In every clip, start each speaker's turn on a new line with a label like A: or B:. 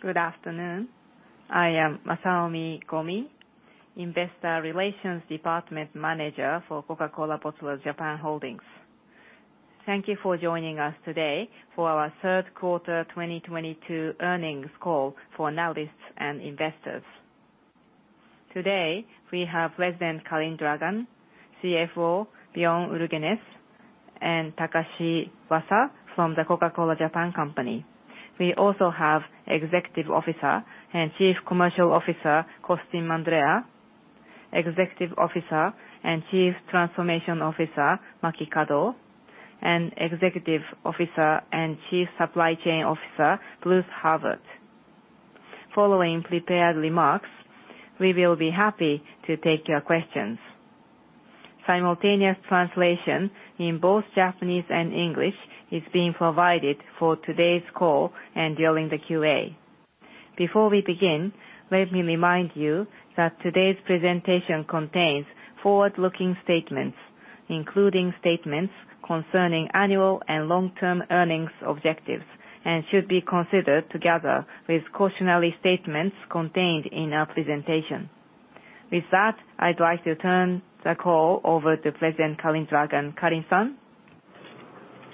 A: Good afternoon. I am Masaomi Gomi, Investor Relations Department Manager for Coca-Cola Bottlers Japan Holdings. Thank you for joining us today for our 1/3 1/4 2022 earnings call for analysts and investors. Today, we have President Calin Dragan, CFO Bjorn Ulgenes, and Takashi Wasa from the Coca-Cola (Japan) Company. We also have Executive Officer and Chief Commercial Officer, Costin Mandroiu, Executive Officer and Chief Transformation Officer, Maki Kado, and Executive Officer and Chief Supply Chain Officer, Bruce Herbert. Following prepared remarks, we will be happy to take your questions. Simultaneous translation in both Japanese and English is being provided for today's call and during the QA. Before we begin, let me remind you that today's presentation contains forward-looking statements, including statements concerning annual and long-term earnings objectives, and should be considered together with cautionary statements contained in our presentation. With that, I'd like to turn the call over to President Calin Dragan. Calin-San?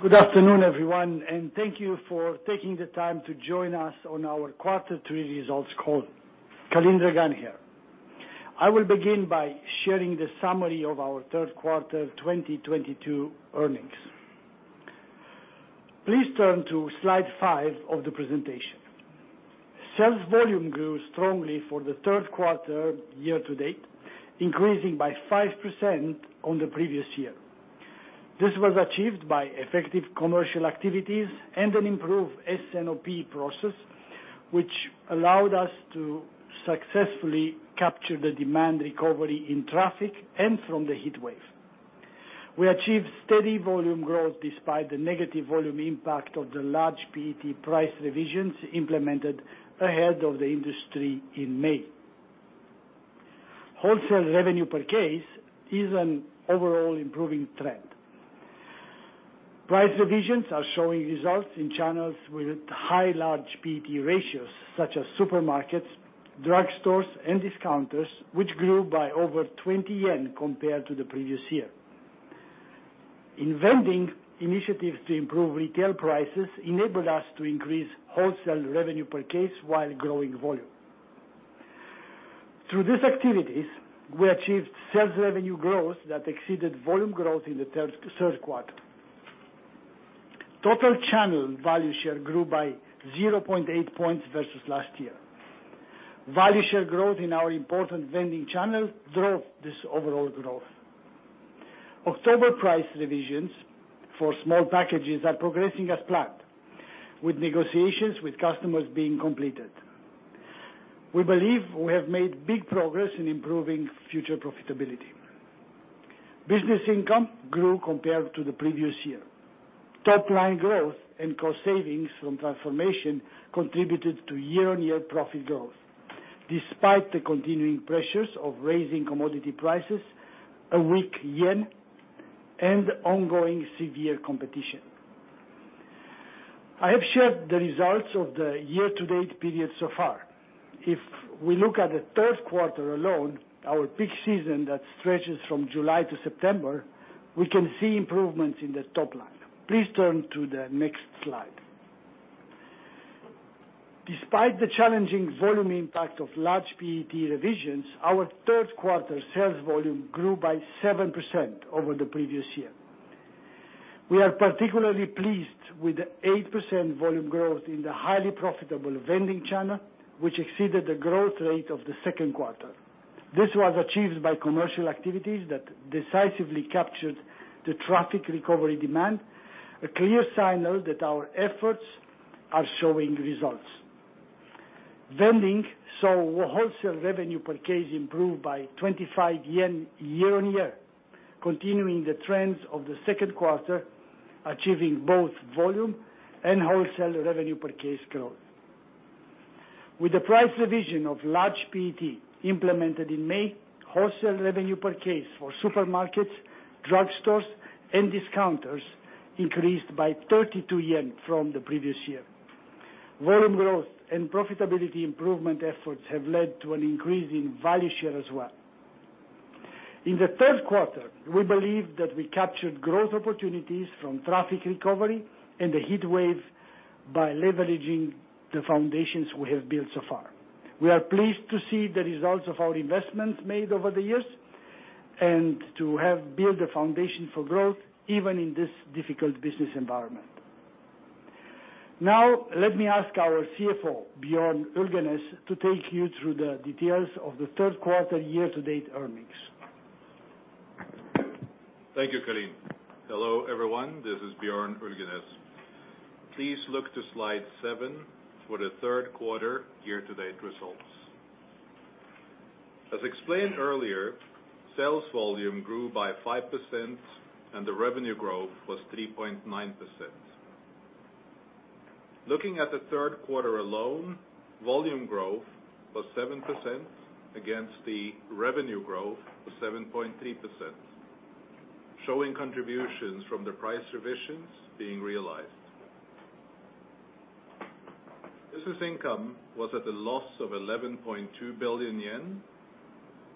B: Good afternoon, everyone, and thank you for taking the time to join us on our 1/4 3 results call. Calin Dragan here. I will begin by sharing the summary of our 1/3 1/4 2022 earnings. Please turn to Slide 5 of the presentation. Sales volume grew strongly for the 1/3 1/4 year to date, increasing by 5% on the previous year. This was achieved by effective commercial activities and an improved S&OP process, which allowed us to successfully capture the demand recovery in traffic and from the heatwave. We achieved steady volume growth despite the negative volume impact of the large PET price revisions implemented ahead of the industry in May. Wholesale revenue per case is an overall improving trend. Price revisions are showing results in channels with high large PET ratios, such as supermarkets, drugstores, and discounters, which grew by over 20 yen compared to the previous year. In vending, initiatives to improve retail prices enabled us to increase wholesale revenue per case while growing volume. Through these activities, we achieved sales revenue growth that exceeded volume growth in the 1/3 1/4. Total channel value share grew by 0.8 points versus last year. Value share growth in our important vending channels drove this overall growth. October price revisions for small packages are progressing as planned, with negotiations with customers being completed. We believe we have made big progress in improving future profitability. Business income grew compared to the previous year. Topline growth and cost savings from transformation contributed to Year-On-Year profit growth, despite the continuing pressures of raising commodity prices, a weak yen, and ongoing severe competition. I have shared the results of the Year-To-Date period so far. If we look at the 1/3 1/4 alone, our peak season that stretches from July to September, we can see improvements in the top line. Please turn to the next Slide. Despite the challenging volume impact of large PET revisions, our 1/3 1/4 sales volume grew by 7% over the previous year. We are particularly pleased with the 8% volume growth in the highly profitable vending channel, which exceeded the growth rate of the second 1/4. This was achieved by commercial activities that decisively captured the traffic recovery demand, a clear signal that our efforts are showing results. Vending saw wholesale revenue per case improve by 25 yen Year-On-Year, continuing the trends of the second 1/4, achieving both volume and wholesale revenue per case growth. With the price revision of large PET implemented in May, wholesale revenue per case for supermarkets, drugstores, and discounters increased by 32 yen from the previous year. Volume growth and profitability improvement efforts have led to an increase in value share as well. In the 1/3 1/4, we believe that we captured growth opportunities from traffic recovery and the heatwave by leveraging the foundations we have built so far. We are pleased to see the results of our investments made over the years and to have built a foundation for growth even in this difficult business environment. Now, let me ask our CFO, Bjorn Ulgenes, to take you through the details of the 1/3 1/4 Year-To-Date earnings.
C: Thank you, Calin. Hello, everyone. This is Bjorn Ulgenes. Please look to Slide 7 for the 1/3 1/4 Year-To-Date results. As explained earlier, sales volume grew by 5%, and the revenue growth was 3.9%. Looking at the 1/3 1/4 alone, volume grew 7% against the revenue growth of 7.3%, showing contributions from the price revisions being realized. Business income was at a loss of 11.2 billion yen,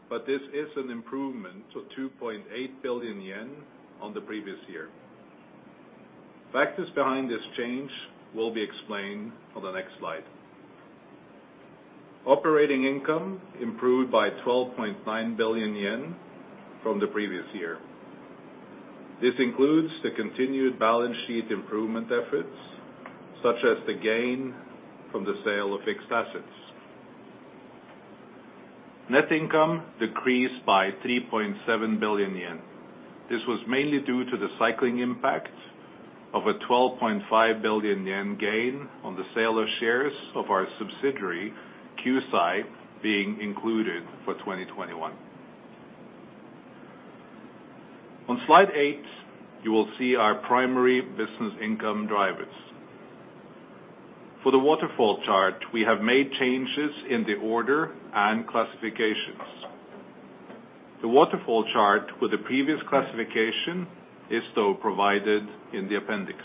C: but this is an improvement of 2.8 billion yen on the previous year. Factors behind this change will be explained on the next Slide. Operating income improved by 12.9 billion yen from the previous year. This includes the continued balance sheet improvement efforts, such as the gain from the sale of fixed assets. Net income decreased by 3.7 billion yen. This was mainly due to the cycling impact of a 12.5 billion yen gain on the sale of shares of our subsidiary, Q'sai, being included for 2021. On Slide eight, you will see our primary business income drivers. For the waterfall chart, we have made changes in the order and classifications. The waterfall chart with the previous classification is still provided in the appendix.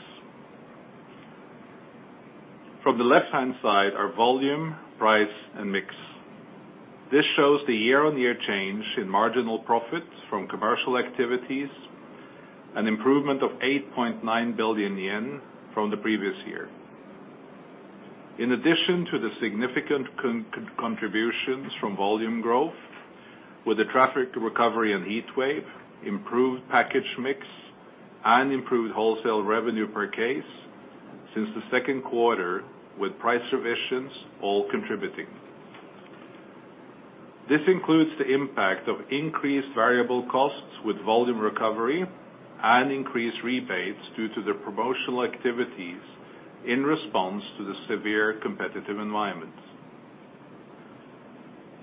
C: From the left-hand side are volume, price, and mix. This shows the Year-On-Year change in marginal profits from commercial activities, an improvement of 8.9 billion yen from the previous year. In addition to the significant contributions from volume growth with the traffic recovery and heat wave, improved package mix, and improved wholesale revenue per case since the second 1/4 with price revisions all contributing. This includes the impact of increased variable costs with volume recovery and increased rebates due to the promotional activities in response to the severe competitive environments.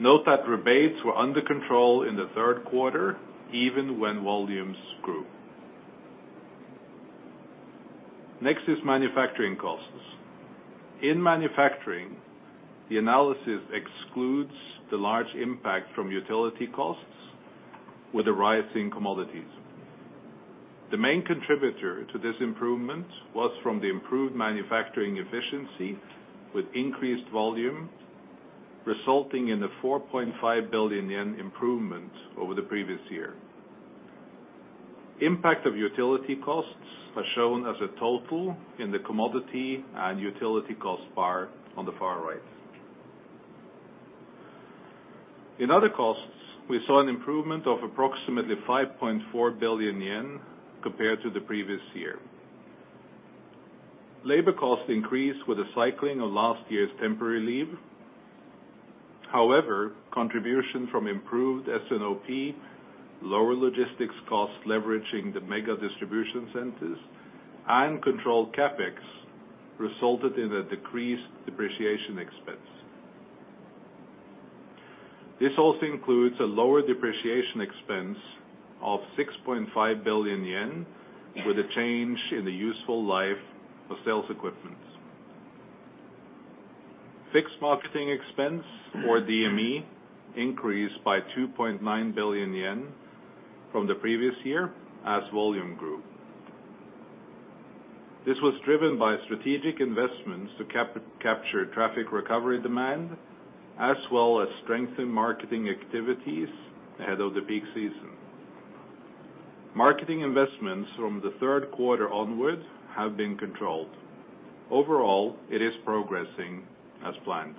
C: Note that rebates were under control in the 1/3 1/4, even when volumes grew. Next is manufacturing costs. In manufacturing, the analysis excludes the large impact from utility costs with a rise in commodities. The main contributor to this improvement was from the improved manufacturing efficiency with increased volume, resulting in the 4.5 billion yen improvement over the previous year. Impact of utility costs are shown as a total in the commodity and utility cost bar on the far right. In other costs, we saw an improvement of approximately 5.4 billion yen compared to the previous year. Labor costs increased with the cycling of last year's temporary leave. However, contribution from improved S&OP, lower logistics costs leveraging the mega distribution centers, and controlled CapEx resulted in a decreased depreciation expense. This also includes a lower depreciation expense of 6.5 billion yen with a change in the useful life of sales equipment. Fixed marketing expense for DME increased by 2.9 billion yen from the previous year as volume grew. This was driven by strategic investments to capture traffic recovery demand, as well as strengthen marketing activities ahead of the peak season. Marketing investments from the 1/3 1/4 onwards have been controlled. Overall, it is progressing as planned.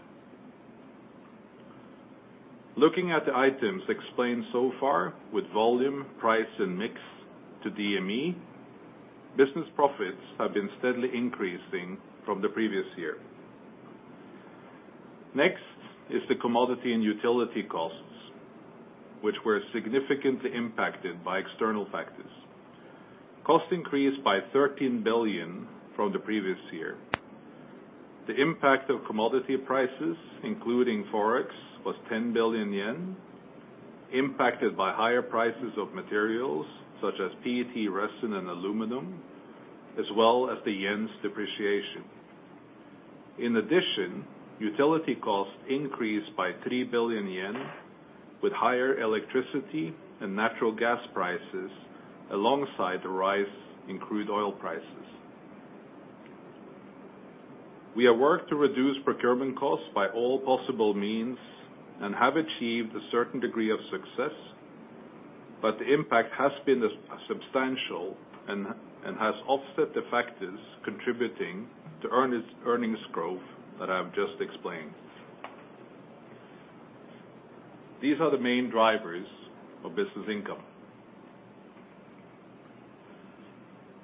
C: Looking at the items explained so far with volume, price, and mix to DME, business profits have been steadily increasing from the previous year. Next is the commodity and utility costs, which were significantly impacted by external factors. Costs increased by JPY 13 billion from the previous year. The impact of commodity prices, including Forex, was 10 billion yen, impacted by higher prices of materials such as PET resin and aluminum, as well as the yen's depreciation. In addition, utility costs increased by 3 billion yen with higher electricity and natural gas prices alongside the rise in crude oil prices. We have worked to reduce procurement costs by all possible means and have achieved a certain degree of success, but the impact has been substantial and has offset the factors contributing to earnings growth that I've just explained. These are the main drivers of business income.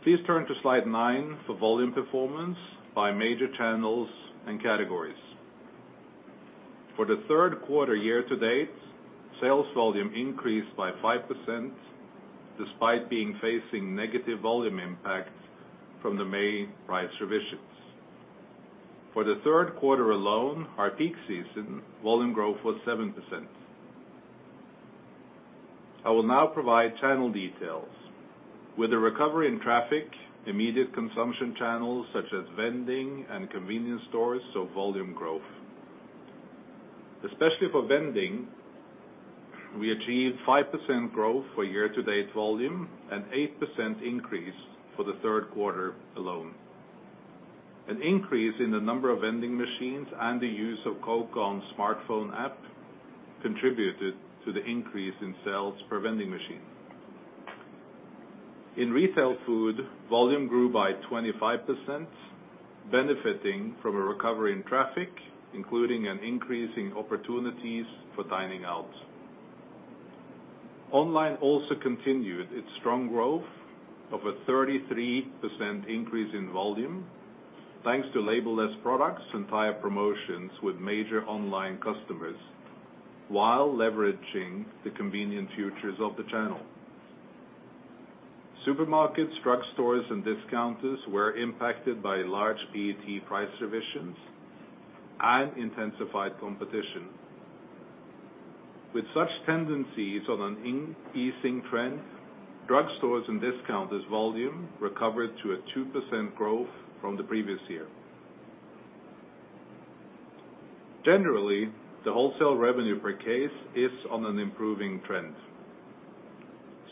C: Please turn to Slide 9 for volume performance by major channels and categories. For the 1/3 1/4 year to date, sales volume increased by 5% despite facing negative volume impacts from the May price revisions. For the 1/3 1/4 alone, our peak season, volume growth was 7%. I will now provide channel details. With a recovery in traffic, immediate consumption channels such as vending and convenience stores saw volume growth. Especially for vending, we achieved 5% growth for Year-To-Date volume and 8% increase for the 1/3 1/4 alone. An increase in the number of vending machines and the use of Coke ON smartphone app contributed to the increase in sales per vending machine. In retail food, volume grew by 25%, benefiting from a recovery in traffic, including an increase in opportunities for dining out. Online also continued its strong growth of a 33% increase in volume, thanks to label-less products, e-tail promotions with major online customers, while leveraging the convenient features of the channel. Supermarkets, drug stores, and discounters were impacted by large PET price revisions and intensified competition. With such tendencies on an increasing trend, drug stores and discounters volume recovered to a 2% growth from the previous year. Generally, the wholesale revenue per case is on an improving trend.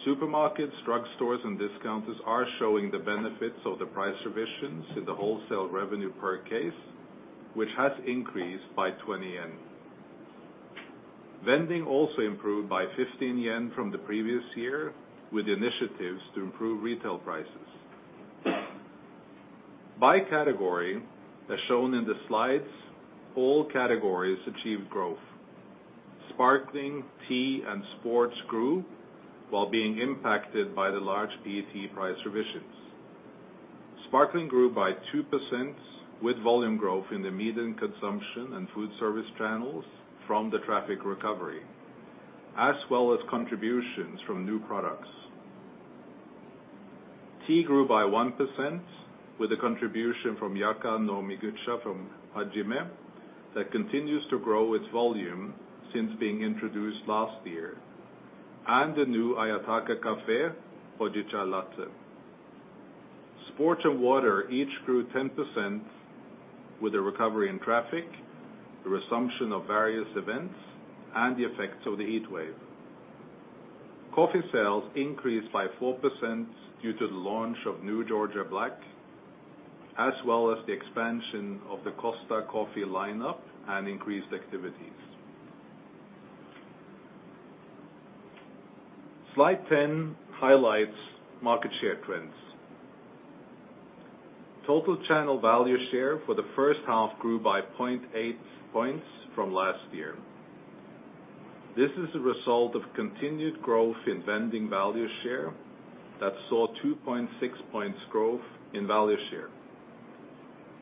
C: Supermarkets, drug stores, and discounters are showing the benefits of the price revisions in the wholesale revenue per case, which has increased by 20 yen. Vending also improved by 15 yen from the previous year with initiatives to improve retail prices. By category, as shown in the Slides, all categories achieved growth. Sparkling, tea, and sports grew while being impacted by the large PET price revisions. Sparkling grew by 2% with volume growth in the ambient consumption and food service channels from the traffic recovery, as well as contributions from new products. Tea grew by 1% with a contribution from Yakan no Mugicha from Hajime that continues to grow its volume since being introduced last year, and the new Ayataka Cafe Hojicha Latte. Sports and water each grew 10% with a recovery in traffic, the resumption of various events, and the effects of the heatwave. Coffee sales increased by 4% due to the launch of new Georgia Black, as well as the expansion of the Costa Coffee lineup and increased activities. Slide 10 highlights market share trends. Total channel value share for the first 1/2 grew by 0.8 points from last year. This is a result of continued growth in vending value share that saw 2.6 points growth in value share.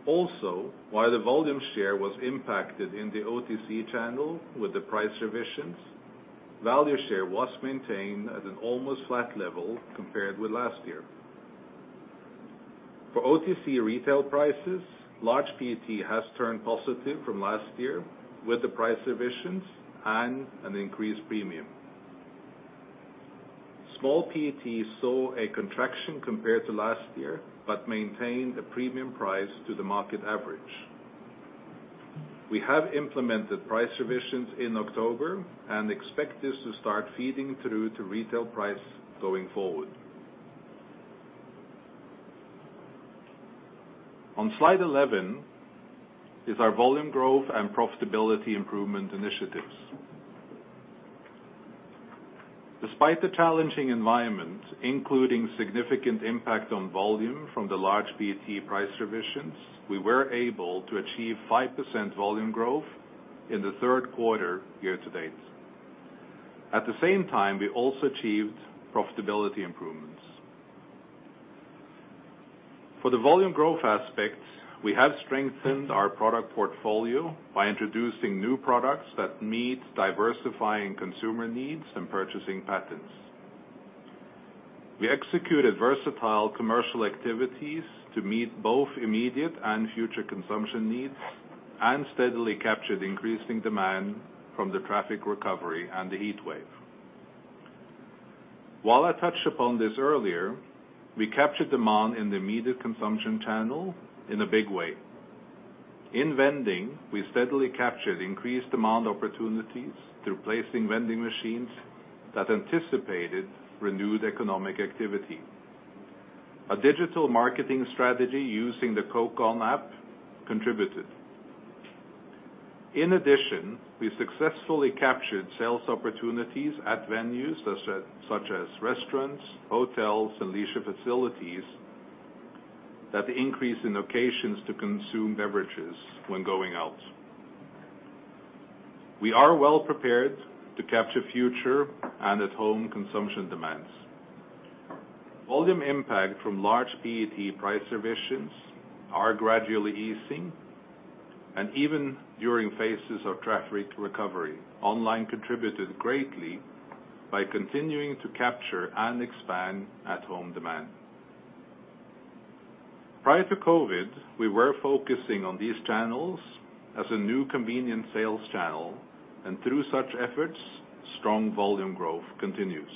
C: While the volume share was impacted in the OTC channel with the price revisions, value share was maintained at an almost flat level compared with last year. For OTC retail prices, large PET has turned positive from last year with the price revisions and an increased premium. Small PET saw a contraction compared to last year, but maintained a premium price to the market average. We have implemented price revisions in October and expect this to start feeding through to retail price going forward. On Slide 11 is our volume growth and profitability improvement initiatives. Despite the challenging environment, including significant impact on volume from the large PET price revisions, we were able to achieve 5% volume growth in the 1/3 1/4 year to date. At the same time, we also achieved profitability improvements. For the volume growth aspect, we have strengthened our product portfolio by introducing new products that meet diversifying consumer needs and purchasing patterns. We executed versatile commercial activities to meet both immediate and future consumption needs and steadily captured increasing demand from the traffic recovery and the heatwave. While I touched upon this earlier, we captured demand in the immediate consumption channel in a big way. In vending, we steadily captured increased demand opportunities through placing vending machines that anticipated renewed economic activity. A digital marketing strategy using the Coke On app contributed. In addition, we successfully captured sales opportunities at venues such as restaurants, hotels, and leisure facilities that increase in occasions to consume beverages when going out. We are well prepared to capture future and at home consumption demands. Volume impact from large PET price revisions are gradually easing, and even during phases of traffic recovery, online contributed greatly by continuing to capture and expand at-home demand. Prior to COVID, we were focusing on these channels as a new convenient sales channel. Through such efforts, strong volume growth continues.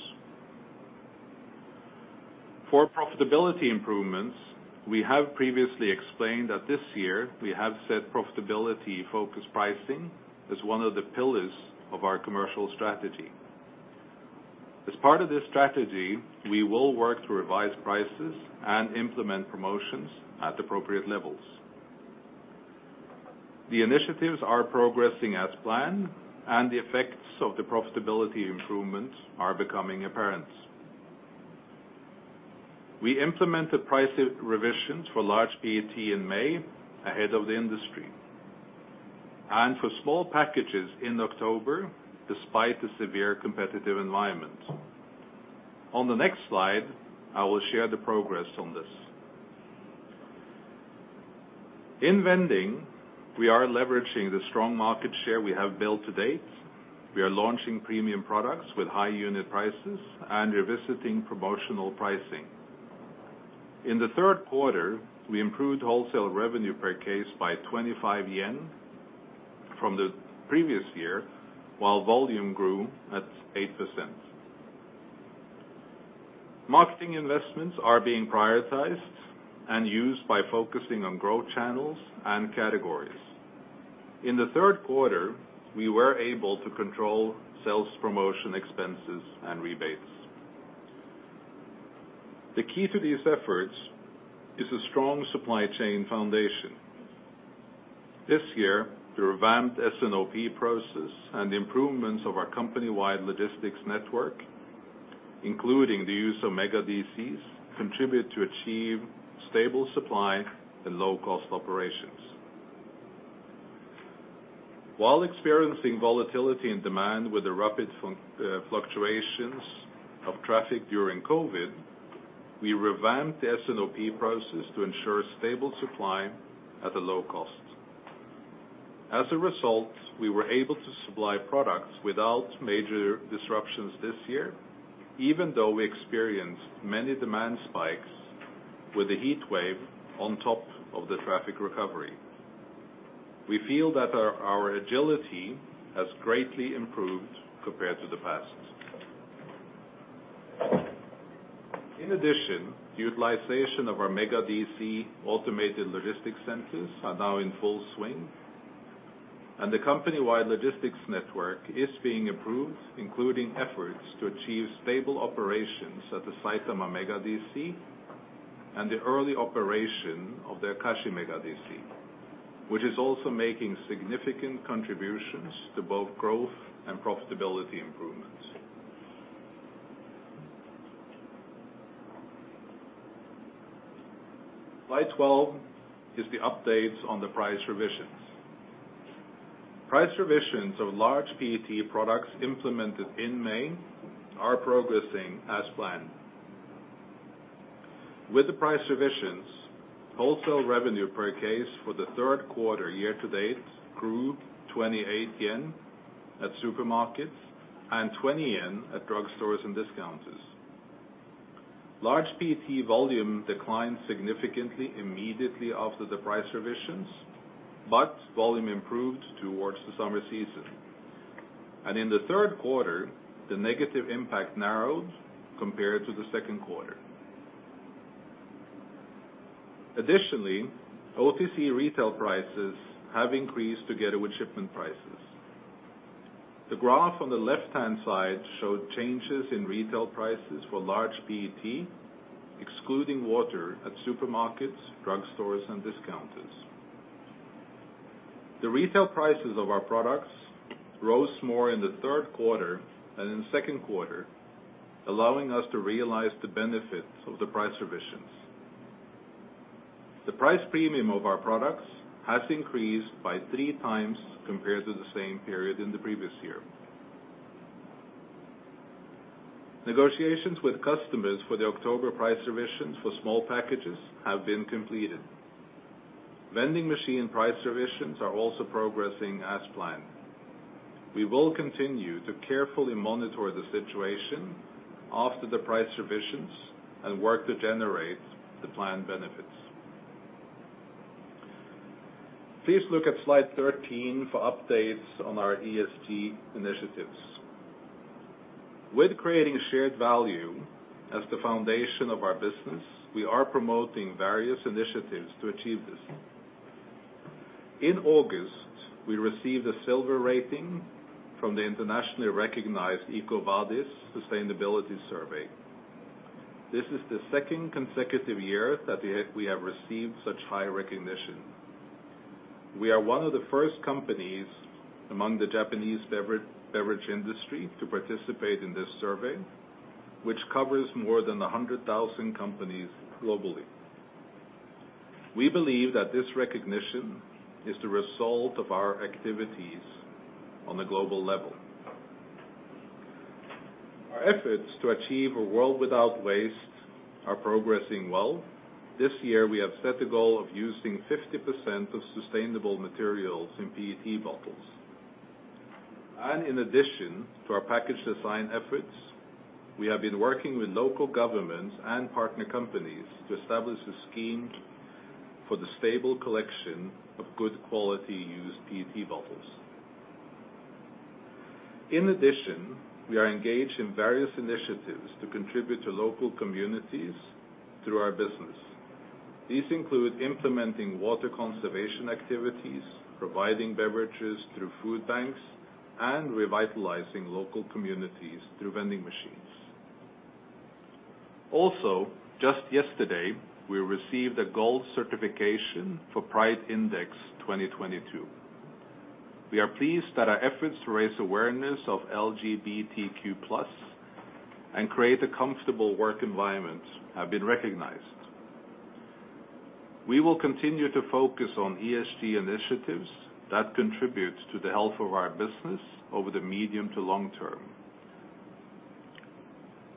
C: For profitability improvements, we have previously explained that this year, we have set profitability-focused pricing as one of the pillars of our commercial strategy. As part of this strategy, we will work to revise prices and implement promotions at appropriate levels. The initiatives are progressing as planned, and the effects of the profitability improvements are becoming apparent. We implemented price revisions for large PET in May, ahead of the industry, and for small packages in October, despite the severe competitive environment. On the next Slide, I will share the progress on this. In vending, we are leveraging the strong market share we have built to date. We are launching premium products with high unit prices and revisiting promotional pricing. In the 1/3 1/4, we improved wholesale revenue per case by 25 yen from the previous year, while volume grew at 8%. Marketing investments are being prioritized and used by focusing on growth channels and categories. In the 1/3 1/4, we were able to control sales promotion expenses and rebates. The key to these efforts is a strong supply chain foundation. This year, the revamped S&OP process and improvements of our company-wide logistics network, including the use of mega DCs, contribute to achieve stable supply and low cost operations. While experiencing volatility and demand with the rapid fluctuations of traffic during COVID, we revamped the S&OP process to ensure stable supply at a low cost. As a result, we were able to supply products without major disruptions this year, even though we experienced many demand spikes with the heatwave on top of the traffic recovery. We feel that our agility has greatly improved compared to the past. In addition, utilization of our mega DC automated logistics centers are now in full swing, and the company-wide logistics network is being approved, including efforts to achieve stable operations at the Saitama Mega DC and the early operation of the Akashi Mega DC, which is also making significant contributions to both growth and profitability improvements. Slide 12 is the updates on the price revisions. Price revisions of large PET products implemented in May are progressing as planned. With the price revisions, wholesale revenue per case for the 1/3 1/4 year to date grew 28 yen at supermarkets and 20 yen at drugstores and discounters. Large PET volume declined significantly immediately after the price revisions, but volume improved towards the summer season. In the 1/3 1/4, the negative impact narrowed compared to the second 1/4. Additionally, OTC retail prices have increased together with shipment prices. The graph on the left-hand side showed changes in retail prices for large PET, excluding water, at supermarkets, drugstores, and discounters. The retail prices of our products rose more in the 1/3 1/4 than in the second 1/4, allowing us to realize the benefits of the price revisions. The price premium of our products has increased by 3 times compared to the same period in the previous year. Negotiations with customers for the October price revisions for small packages have been completed. Vending machine price revisions are also progressing as planned. We will continue to carefully monitor the situation after the price revisions and work to generate the planned benefits. Please look at Slide 13 for updates on our ESG initiatives. With creating shared value as the foundation of our business, we are promoting various initiatives to achieve this. In August, we received a silver rating from the internationally recognized EcoVadis Sustainability Survey. This is the second consecutive year that we have received such high recognition. We are one of the first companies among the Japanese beverage industry to participate in this survey, which covers more than 100,000 companies globally. We believe that this recognition is the result of our activities on a global level. Our efforts to achieve a world without waste are progressing well. This year, we have set the goal of using 50% of sustainable materials in PET bottles. In addition to our package design efforts, we have been working with local governments and partner companies to establish a scheme for the stable collection of good quality used PET bottles. In addition, we are engaged in various initiatives to contribute to local communities through our business. These include implementing water conservation activities, providing beverages through food banks, and revitalizing local communities through vending machines. Also, just yesterday, we received a gold certification for Pride Index 2022. We are pleased that our efforts to raise awareness of LGBTQ+ and create a comfortable work environment have been recognized. We will continue to focus on ESG initiatives that contribute to the health of our business over the medium to long term,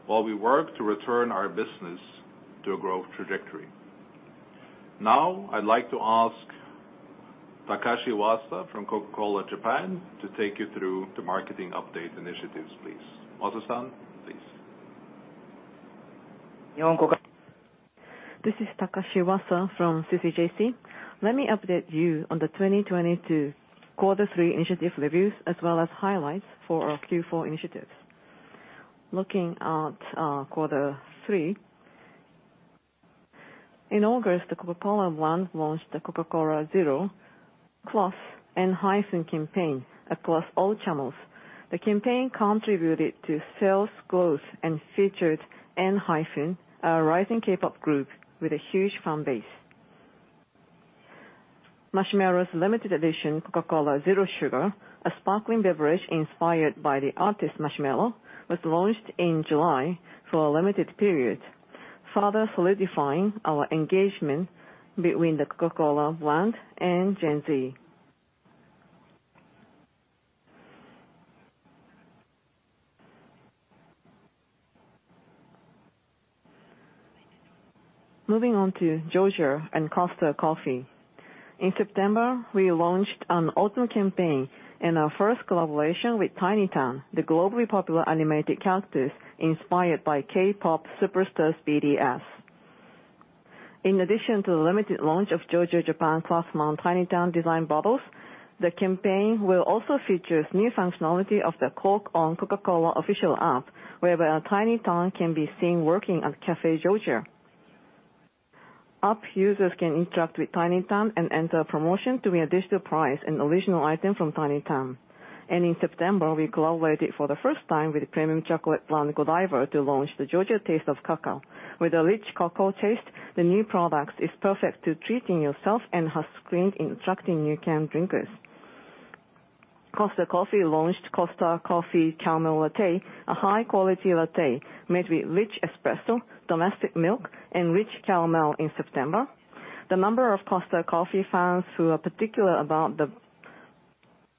C: while we work to return our business to a growth trajectory. Now I'd like to ask Takashi Wasa from Coca-Cola Japan to take you through the marketing update initiatives, please. Wasa-San, please.
D: This is Takashi Wasa from CCJC. Let me update you on the 2022 1/4 3 initiative reviews, as well as highlights for our Q4 initiatives. Looking at 1/4 3, in August, the Coca-Cola brand launched the Coca-Cola Zero plus Enhypen campaign across all channels. The campaign contributed to sales growth and featured Enhypen, a rising K-Pop group with a huge fan base. Marshmello's limited edition Coca-Cola Zero Sugar, a sparkling beverage inspired by the artist Marshmello, was launched in July for a limited period, further solidifying our engagement between the Coca-Cola brand and Gen Z. Moving on to Georgia and Costa Coffee. In September, we launched an autumn campaign and our first collaboration with TinyTAN, the globally popular animated characters inspired by K-pop superstars BTS. In addition to the limited launch of Georgia Japan Craftsman TinyTAN design bottles, the campaign will also feature new functionality of the Coke On Coca-Cola official app, whereby a TinyTAN can be seen working at Cafe Georgia. App users can interact with TinyTAN and enter a promotion to win a digital prize, an original item from TinyTAN. In September, we collaborated for the first time with premium chocolate brand Godiva to launch the Georgia Iced Cocoa. With a rich cocoa taste, the new product is perfect for treating yourself and has screen instructions for new can drinkers. Costa Coffee launched Costa Coffee Caramel Latte, a high-quality latte made with rich espresso, domestic milk and rich caramel in September. The number of Costa Coffee fans who are particular about the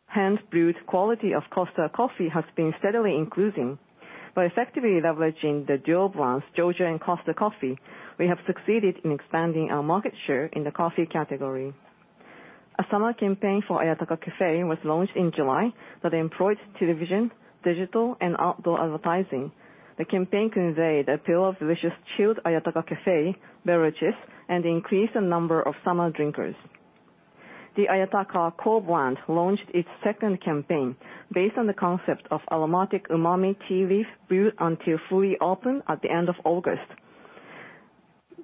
D: hand-brewed quality of Costa Coffee has been steadily increasing. By effectively leveraging the dual brands, Georgia and Costa Coffee, we have succeeded in expanding our market share in the coffee category. A summer campaign for Ayataka Cafe was launched in July that employed television, digital and outdoor advertising. The campaign conveyed the appeal of delicious chilled Ayataka Cafe beverages and increased the number of summer drinkers. The Ayataka core brand launched its second campaign based on the concept of aromatic umami tea leaf brewed until fully open at the end of August.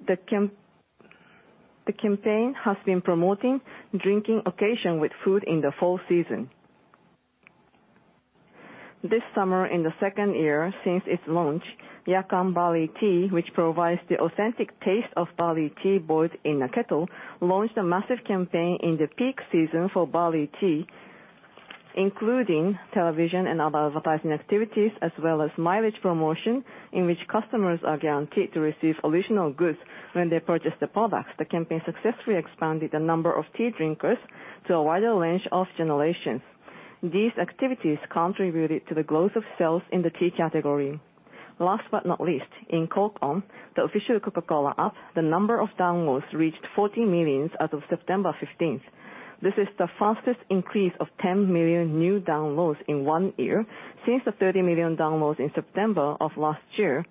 D: The campaign has been promoting drinking occasion with food in the fall season. This summer, in the second year since its launch, Yakan no Mugicha which provides the authentic taste of barley tea boiled in a kettle, launched a massive campaign in the peak season for barley tea, including television and other advertising activities, as well as mileage promotion, in which customers are guaranteed to receive original goods when they purchase the products. The campaign successfully expanded the number of tea drinkers to a wider range of generations. These activities contributed to the growth of sales in the tea category. Last but not least, in Coke On, the official Coca-Cola app, the number of downloads reached 40 million as of September fifteenth. This is the fastest increase of 10 million new downloads in one year since the 30 million downloads in September of last year,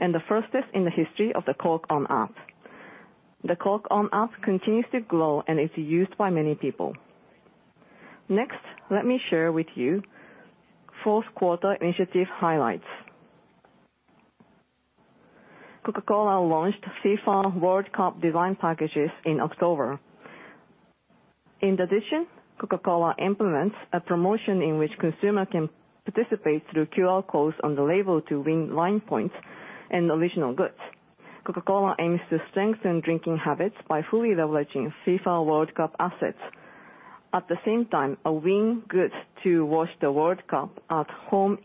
D: and the fastest in the history of the Coke On app. The Coke On app continues to grow and is used by many people. Next, let me share with you fourth 1/4 initiative highlights. Coca-Cola launched FIFA World Cup design packages in October. In addition, Coca-Cola implements a promotion in which consumers can participate through QR codes on the label to win LINE points and original goods. Coca-Cola aims to strengthen drinking habits by fully leveraging FIFA World Cup assets. At the same time, a win goods to watch the World Cup at home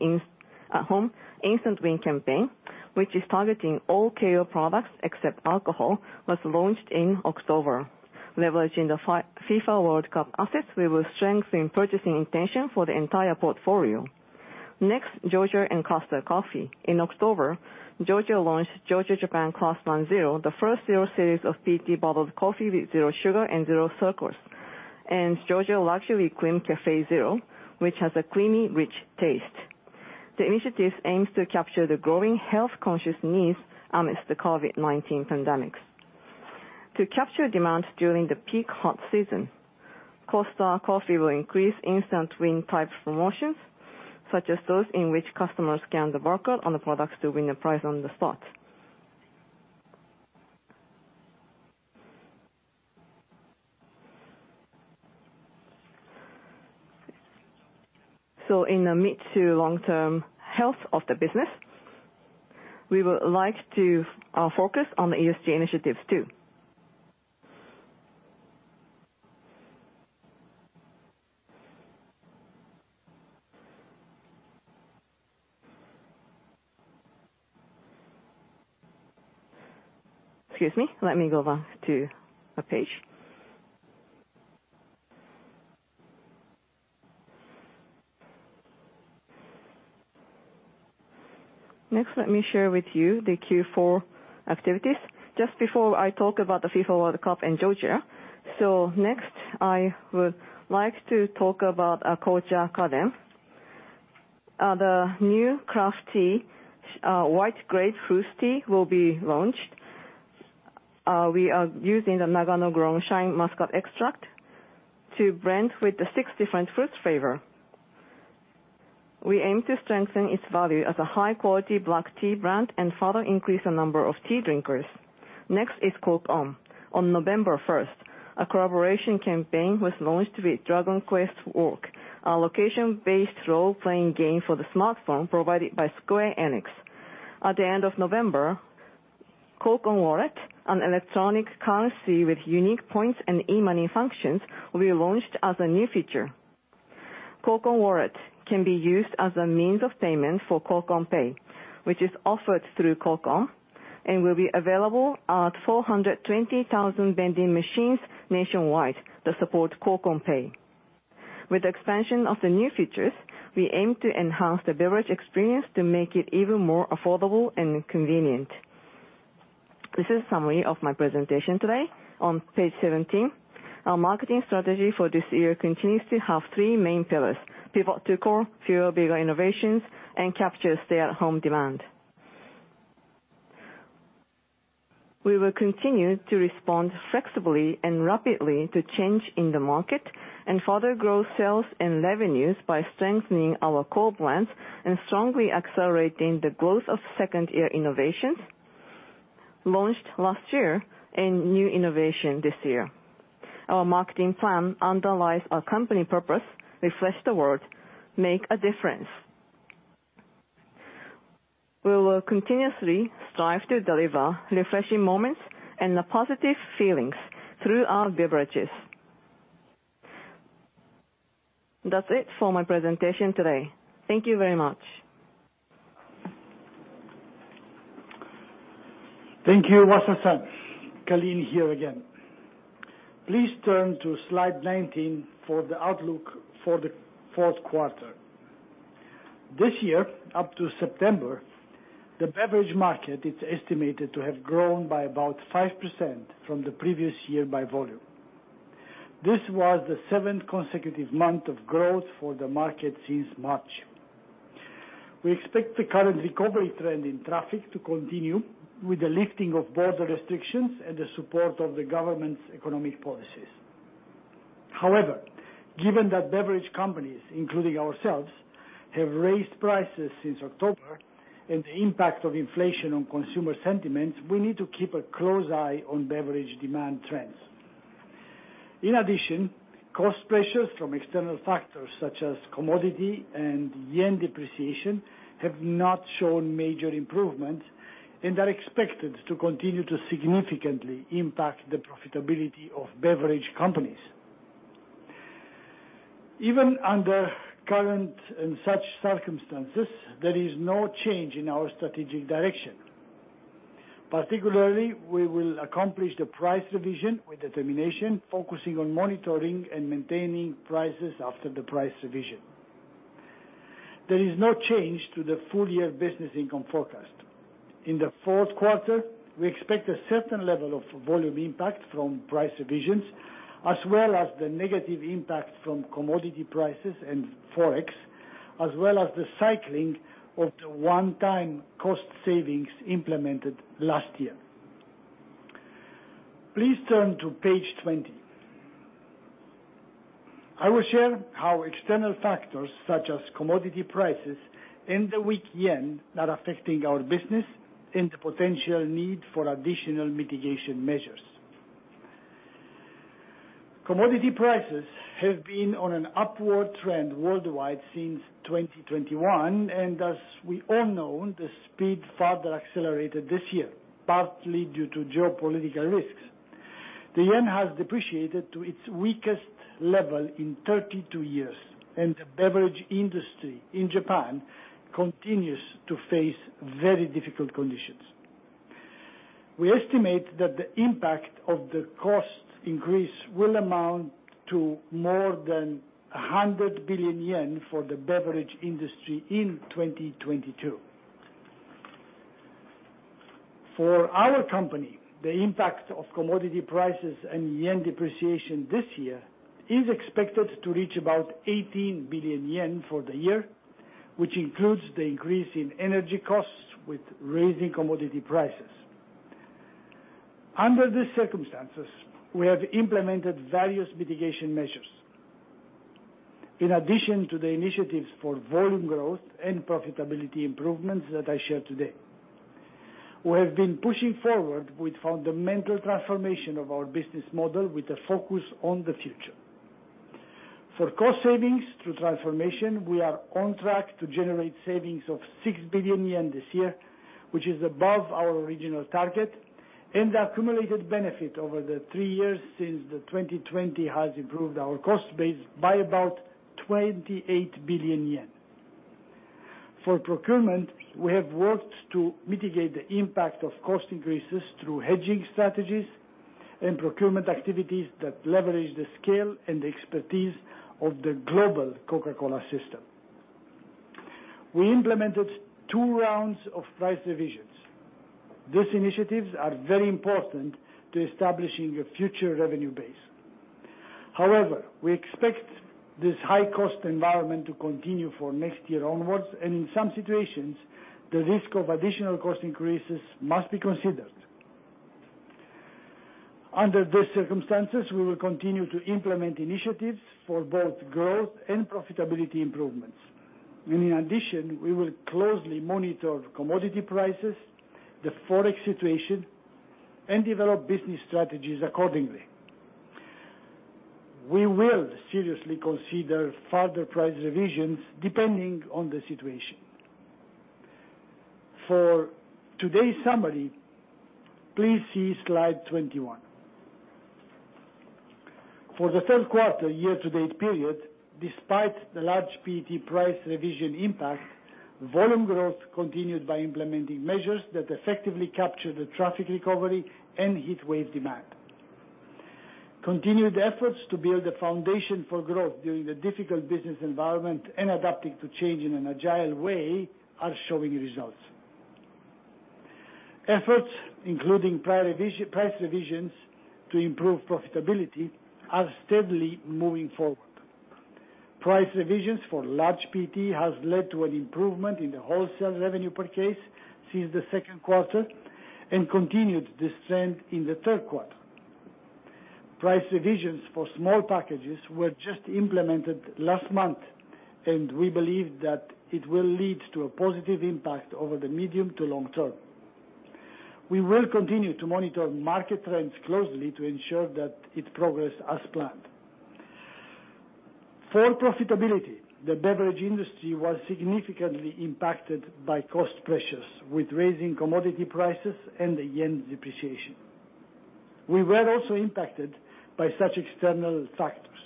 D: At-Home instant win campaign, which is targeting all KO products except alcohol, was launched in October. Leveraging the FIFA World Cup assets, we will strengthen purchasing intention for the entire portfolio. Next, Georgia and Costa Coffee. In October, Georgia launched Georgia Japan Craftsman Zero, the first zero series of PET bottled coffee with zero sugar and zero calories, and Georgia Luxury Creamy Cafe Zero, which has a creamy, rich taste. The initiative aims to capture the growing Health-Conscious needs amidst the COVID-19 pandemic. To capture demand during the peak hot season, Costa Coffee will increase instant win type promotions, such as those in which customers scan the barcode on the products to win a prize on the spot. In the mid- to long-term health of the business, we would like to focus on the ESG initiatives, too. Excuse me, let me go back to a page. Next, let me share with you the Q4 activities. Just before I talk about the FIFA World Cup and Georgia, next, I would like to talk about our Kouchakaden. The new craft tea, white grape fruit tea will be launched. We are using the Nagano-grown Shine Muscat extract to blend with the six different fruits flavor. We aim to strengthen its value as a high quality black tea brand and further increase the number of tea drinkers. Next is Coke On. On November 1, a collaboration campaign was launched with Dragon Quest Walk, a Location-Based role playing game for the smartphone provided by Square Enix. At the end of November, Coke On Wallet, an electronic currency with unique points and e-money functions, will be launched as a new feature. Coke On Wallet can be used as a means of payment for Coke On Pay, which is offered through Coke On and will be available at 420,000 vending machines nationwide that support Coke On Pay. With expansion of the new features, we aim to enhance the beverage experience to make it even more affordable and convenient. This is summary of my presentation today on page 17. Our marketing strategy for this year continues to have 3 main pillars: Pivot to core, fewer bigger innovations, and capture stay-at-home demand. We will continue to respond flexibly and rapidly to change in the market and further grow sales and revenues by strengthening our core plans and strongly accelerating the growth of second year innovations launched last year and new innovation this year. Our marketing plan underlies our company purpose, refresh the world, make a difference. We will continuously strive to deliver refreshing moments and the positive feelings through our beverages. That's it for my presentation today. Thank you very much.
B: Thank you, Wasa-San. Calin here again. Please turn to Slide 19 for the outlook for the fourth 1/4. This year, up to September, the beverage market is estimated to have grown by about 5% from the previous year by volume. This was the seventh consecutive month of growth for the market since March. We expect the current recovery trend in traffic to continue with the lifting of border restrictions and the support of the government's economic policies. However, given that beverage companies, including ourselves, have raised prices since October and the impact of inflation on consumer sentiments, we need to keep a close eye on beverage demand trends. In addition, cost pressures from external factors such as commodity and yen depreciation have not shown major improvements and are expected to continue to significantly impact the profitability of beverage companies. Even under current and such circumstances, there is no change in our strategic direction. Particularly, we will accomplish the price revision with determination, focusing on monitoring and maintaining prices after the price revision. There is no change to the full year business income forecast. In the fourth 1/4, we expect a certain level of volume impact from price revisions, as well as the negative impact from commodity prices and Forex, as well as the cycling of the One-Time cost savings implemented last year. Please turn to page 20. I will share how external factors such as commodity prices and the weak yen are affecting our business and the potential need for additional mitigation measures. Commodity prices have been on an upward trend worldwide since 2021, and as we all know, the speed further accelerated this year, partly due to geopolitical risks. The yen has depreciated to its weakest level in 32 years, and the beverage industry in Japan continues to face very difficult conditions. We estimate that the impact of the cost increase will amount to more than 100 billion yen for the beverage industry in 2022. For our company, the impact of commodity prices and yen depreciation this year is expected to reach about 18 billion yen for the year, which includes the increase in energy costs with rising commodity prices. Under these circumstances, we have implemented various mitigation measures. In addition to the initiatives for volume growth and profitability improvements that I shared today, we have been pushing forward with fundamental transformation of our business model with a focus on the future. For cost savings through transformation, we are on track to generate savings of 6 billion yen this year, which is above our original target, and the accumulated benefit over the 3 years since 2020 has improved our cost base by about 28 billion yen. For procurement, we have worked to mitigate the impact of cost increases through hedging strategies and procurement activities that leverage the scale and expertise of the global Coca-Cola system. We implemented 2 rounds of price revisions. These initiatives are very important to establishing a future revenue base. However, we expect this High-Cost environment to continue for next year onwards, and in some situations, the risk of additional cost increases must be considered. Under these circumstances, we will continue to implement initiatives for both growth and profitability improvements. In addition, we will closely monitor commodity prices, the Forex situation, and develop business strategies accordingly. We will seriously consider further price revisions depending on the situation. For today's summary, please see Slide 21. For the 1/3 1/4 Year-To-Date period, despite the large PET price revision impact, volume growth continued by implementing measures that effectively captured the traffic recovery and heatwave demand. Continued efforts to build a foundation for growth during the difficult business environment and adapting to change in an agile way are showing results. Efforts, including price revisions to improve profitability, are steadily moving forward. Price revisions for large PET has led to an improvement in the wholesale revenue per case since the second 1/4 and continued this trend in the 1/3 1/4. Price revisions for small packages were just implemented last month, and we believe that it will lead to a positive impact over the medium to long term. We will continue to monitor market trends closely to ensure that its progress as planned. For profitability, the beverage industry was significantly impacted by cost pressures with rising commodity prices and the yen depreciation. We were also impacted by such external factors.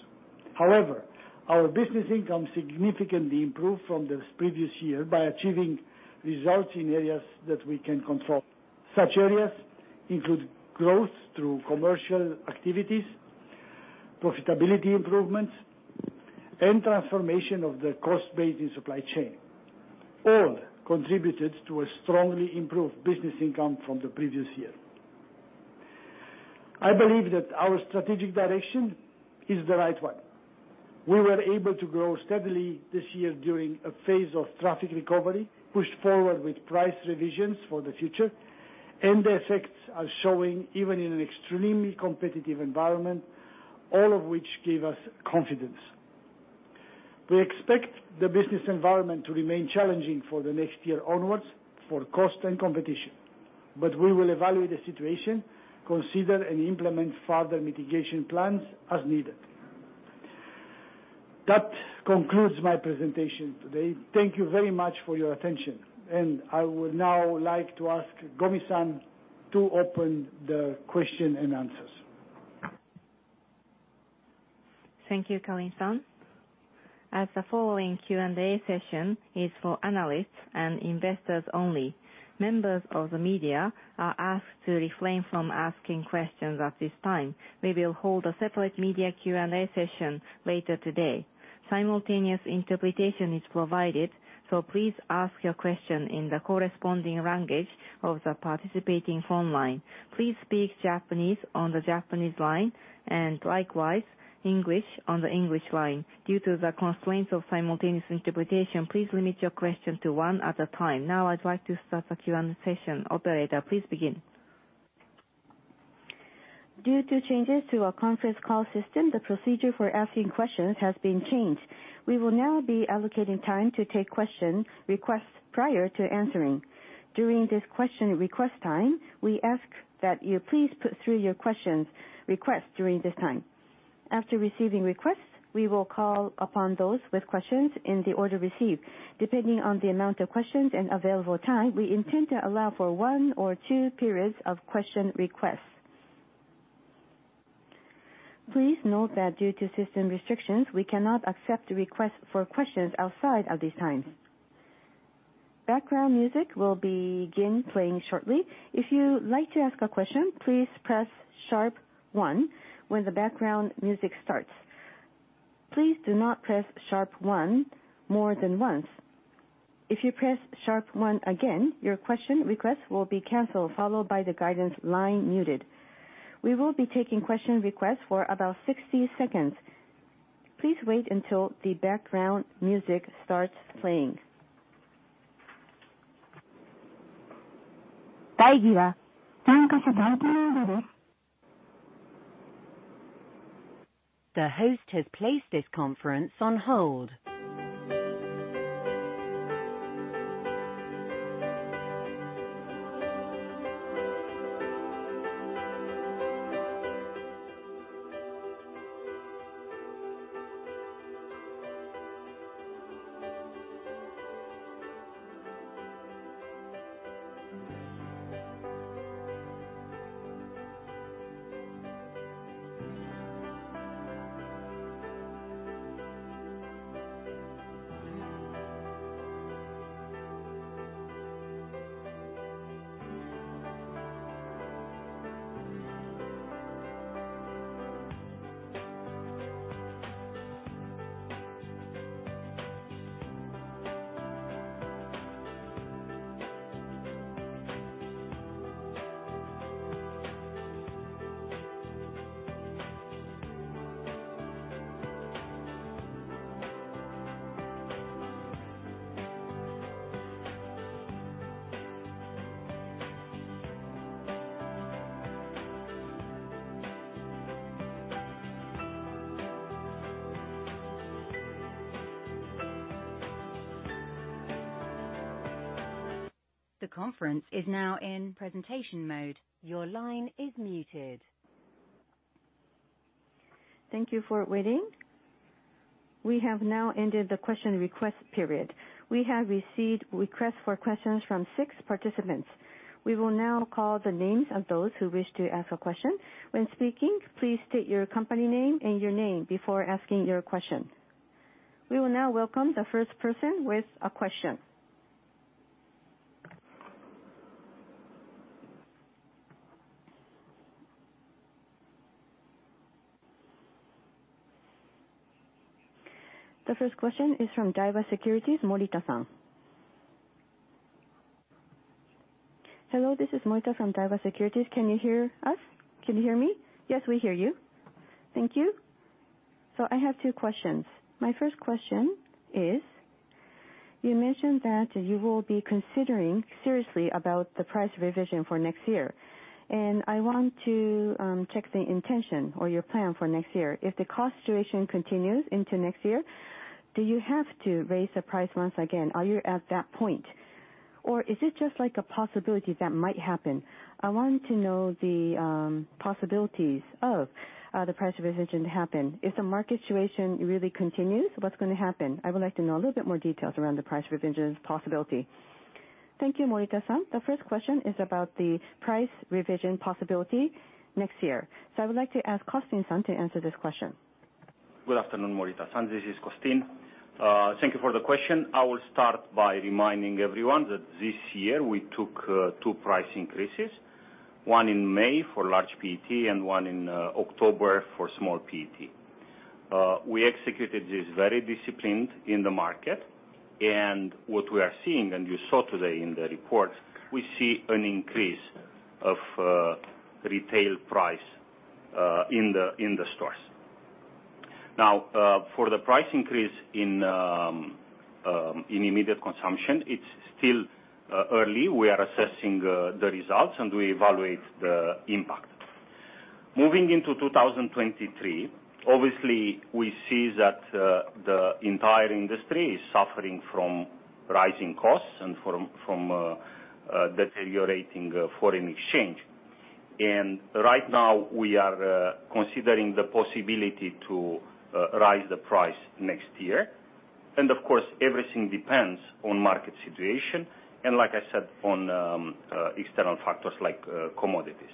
B: However, our business income significantly improved from the previous year by achieving results in areas that we can control. Such areas include growth through commercial activities, profitability improvements, and transformation of the cost base in supply chain. All contributed to a strongly improved business income from the previous year. I believe that our strategic direction is the right one. We were able to grow steadily this year during a phase of traffic recovery, pushed forward with price revisions for the future. The effects are showing even in an extremely competitive environment, all of which give us confidence. We expect the business environment to remain challenging for the next year onwards for cost and competition, but we will evaluate the situation, consider and implement further mitigation plans as needed. That concludes my presentation today. Thank you very much for your attention. I would now like to ask Gomi-San to open the question and answers.
A: Thank you, Calin-San. As the following Q&A session is for analysts and investors only, members of the media are asked to refrain from asking questions at this time. We will hold a separate media Q&A session later today. Simultaneous interpretation is provided, so please ask your question in the corresponding language of the participating phone line. Please speak Japanese on the Japanese line, and likewise, English on the English line. Due to the constraints of simultaneous interpretation, please limit your question to one at a time. Now I'd like to start the Q&A session. Operator, please begin. Due to changes to our conference call system, the procedure for asking questions has been changed. We will now be allocating time to take question requests prior to answering. During this question request time, we ask that you please put through your question requests during this time. After receiving requests, we will call upon those with questions in the order received. Depending on the amount of questions and available time, we intend to allow for one or 2 periods of question requests.
E: Please note that due to system restrictions, we cannot accept requests for questions outside of these times. Background music will begin playing shortly. If you like to ask a question, please press sharp one when the background music starts. Please do not press sharp one more than once. If you press sharp one again, your question request will be canceled, followed by the guidance line muted. We will be taking question requests for about 60 seconds. Please wait until the background music starts playing. The host has placed this conference on hold. The conference is now in presentation mode. Your line is muted. Thank you for waiting. We have now ended the question request period. We have received requests for questions from 6 participants. We will now call the names of those who wish to ask a question. When speaking, please state your company name and your name before asking your question. We will now welcome the first person with a question. The first question is from Daiwa Securities, Morita-San.
F: Hello, this is Morita from Daiwa Securities. Can you hear us? Can you hear me? Yes, we hear you. Thank you. I have 2 questions. My first question is, you mentioned that you will be considering seriously about the price revision for next year. I want to check the intention or your plan for next year. If the cost situation continues into next year, do you have to raise the price once again? Are you at that point? Or is it just like a possibility that might happen? I want to know the possibilities of the price revision to happen. If the market situation really continues, what's gonna happen? I would like to know a little bit more details around the price revision possibility.
D: Thank you, Morita-San. The first question is about the price revision possibility next year. I would like to ask Costin-San to answer this question.
G: Good afternoon, Morita-San. This is Costin. Thank you for the question. I will start by reminding everyone that this year we took 2 price increases, one in May for large PET and one in October for small PET. We executed this very disciplined in the market. What we are seeing, and you saw today in the report, we see an increase of retail price in the stores. Now, for the price increase in immediate consumption, it's still early. We are assessing the results and we evaluate the impact. Moving into 2023, obviously we see that the entire industry is suffering from rising costs and from deteriorating foreign exchange. Right now we are considering the possibility to raise the price next year. Of course, everything depends on market situation and like I said, on external factors like commodities.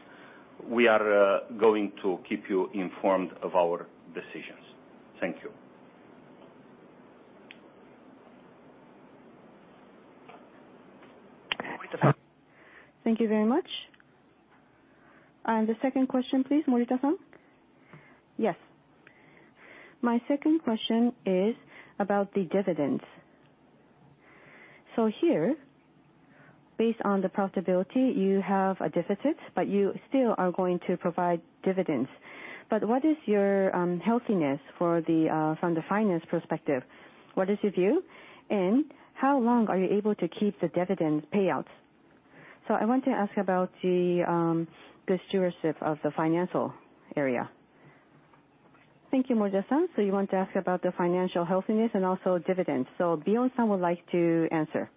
G: We are going to keep you informed of our decisions. Thank you.
D: Thank you very much. Thesecond question please, Morita-San?
A: Yes. My second question is about the dividends. Here, based on the profitability, you have a deficit, but you still are going to provide dividends. What is your healthiness from the finance perspective? What is your view? How long are you able to keep the dividend payouts? I want to ask about the stewardship of the financial area.
D: Thank you, Morita-San. You want to ask about the financial healthiness and also dividends. Bjorn-San would like to answer.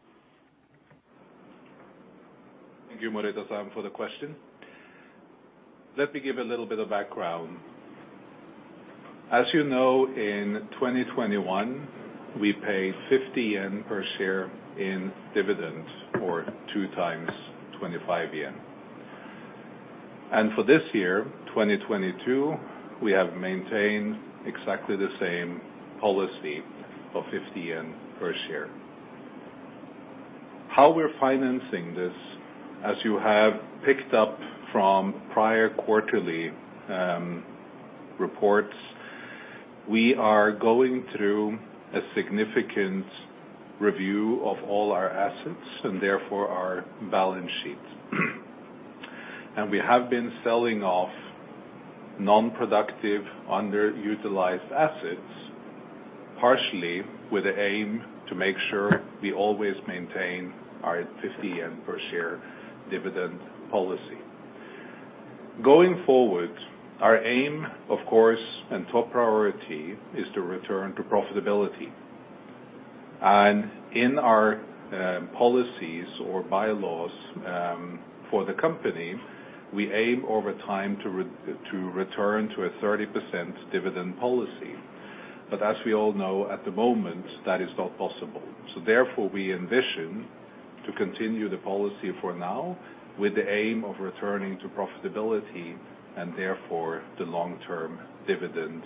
C: Thank you, Morita-San, for the question. Let me give a little bit of background. As you know, in 2021, we paid 50 yen per share in dividends for 2 times 25 yen. For this year, 2022, we have maintained exactly the same policy of 50 yen per share. How we're financing this, as you have picked up from prior 1/4ly reports, we are going through a significant review of all our assets and therefore our balance sheets. We have been selling off Non-productive underutilized assets, partially with the aim to make sure we always maintain our 50 yen per share dividend policy. Going forward, our aim, of course, and top priority is to return to profitability. In our policies or bylaws for the company, we aim over time to return to a 30% dividend policy. As we all know, at the moment, that is not possible. Therefore, we envision to continue the policy for now with the aim of returning to profitability and therefore the long-term dividend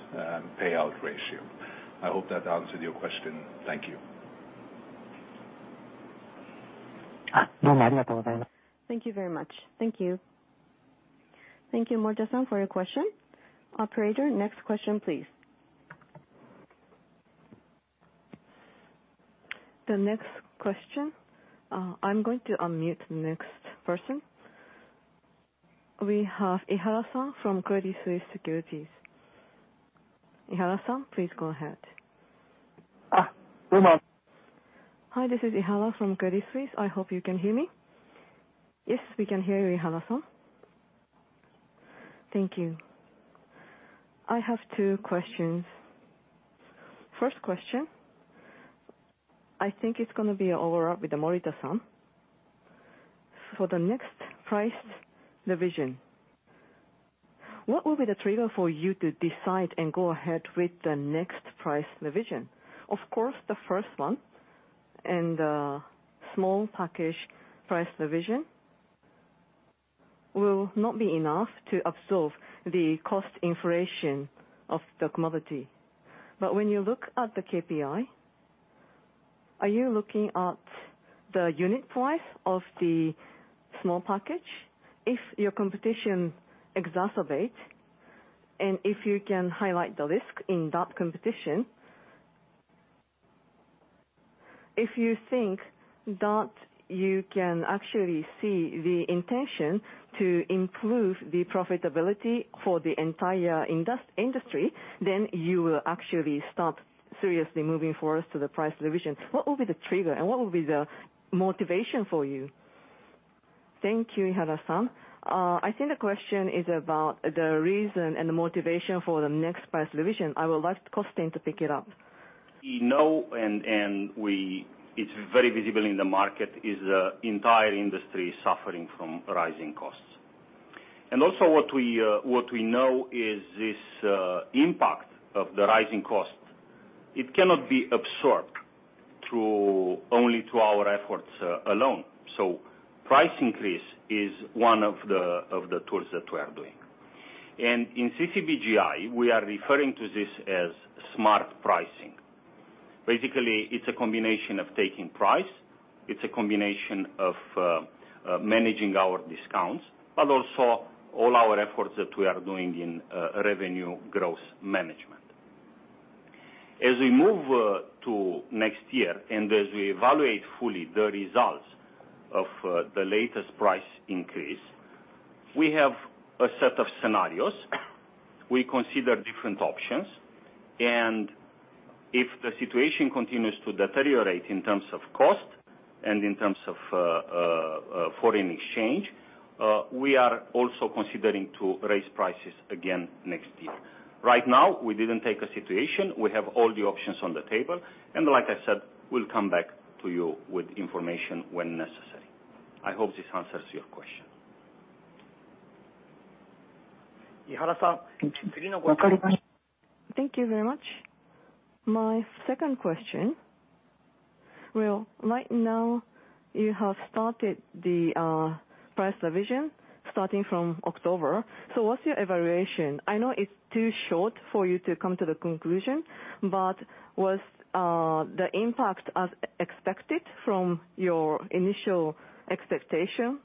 C: payout ratio. I hope that answered your question. Thank you.
D: Thank you very much. Thank you. Thank you, Morita-San, for your question. Operator, next question, please.
E: The next question, I'm going to unmute the next person. We have Ihara-San from Credit Suisse Ihara-San, please go ahead.
H: Hello. Hi, this is Ihara from Credit Suisse. I hope you can hear me. Yes, we can hear you, Ihara-San. Thank you. I have 2 questions. First question, I think it's gonna be overall with Morita-San. For the next price revision, what will be the trigger for you to decide and go ahead with the next price revision? Of course, the first one and the small package price revision will not be enough to absorb the cost inflation of the commodity. But when you look at the KPI, are you looking at the unit price of the small package? If your competition exacerbates, and if you can highlight the risk in that competition. If you think that you can actually see the intention to improve the profitability for the entire industry, then you will actually start seriously moving forward to the price revision. What will be the trigger, and what will be the motivation for you?
D: Thank you, Ihara-San. I think the question is about the reason and the motivation for the next price revision. I would like Costin to pick it up.
G: It's very visible in the market. The entire industry is suffering from rising costs. Also what we know is this impact of the rising cost. It cannot be absorbed through only our efforts alone. Price increase is one of the tools that we are doing. In CCBJI, we are referring to this as smart pricing. Basically, it's a combination of taking price. It's a combination of managing our discounts, but also all our efforts that we are doing in revenue growth management. As we move to next year and as we evaluate fully the results of the latest price increase, we have a set of scenarios. We consider different options. If the situation continues to deteriorate in terms of cost and in terms of foreign exchange, we are also considering to raise prices again next year. Right now, we didn't take a position. We have all the options on the table, and like I said, we'll come back to you with information when necessary. I hope this answers your question.
H: Thank you very much. My second question. Well, right now you have started the price revision starting from October. What's your evaluation? I know it's too short for you to come to the conclusion, but was the impact as expected from your initial expectation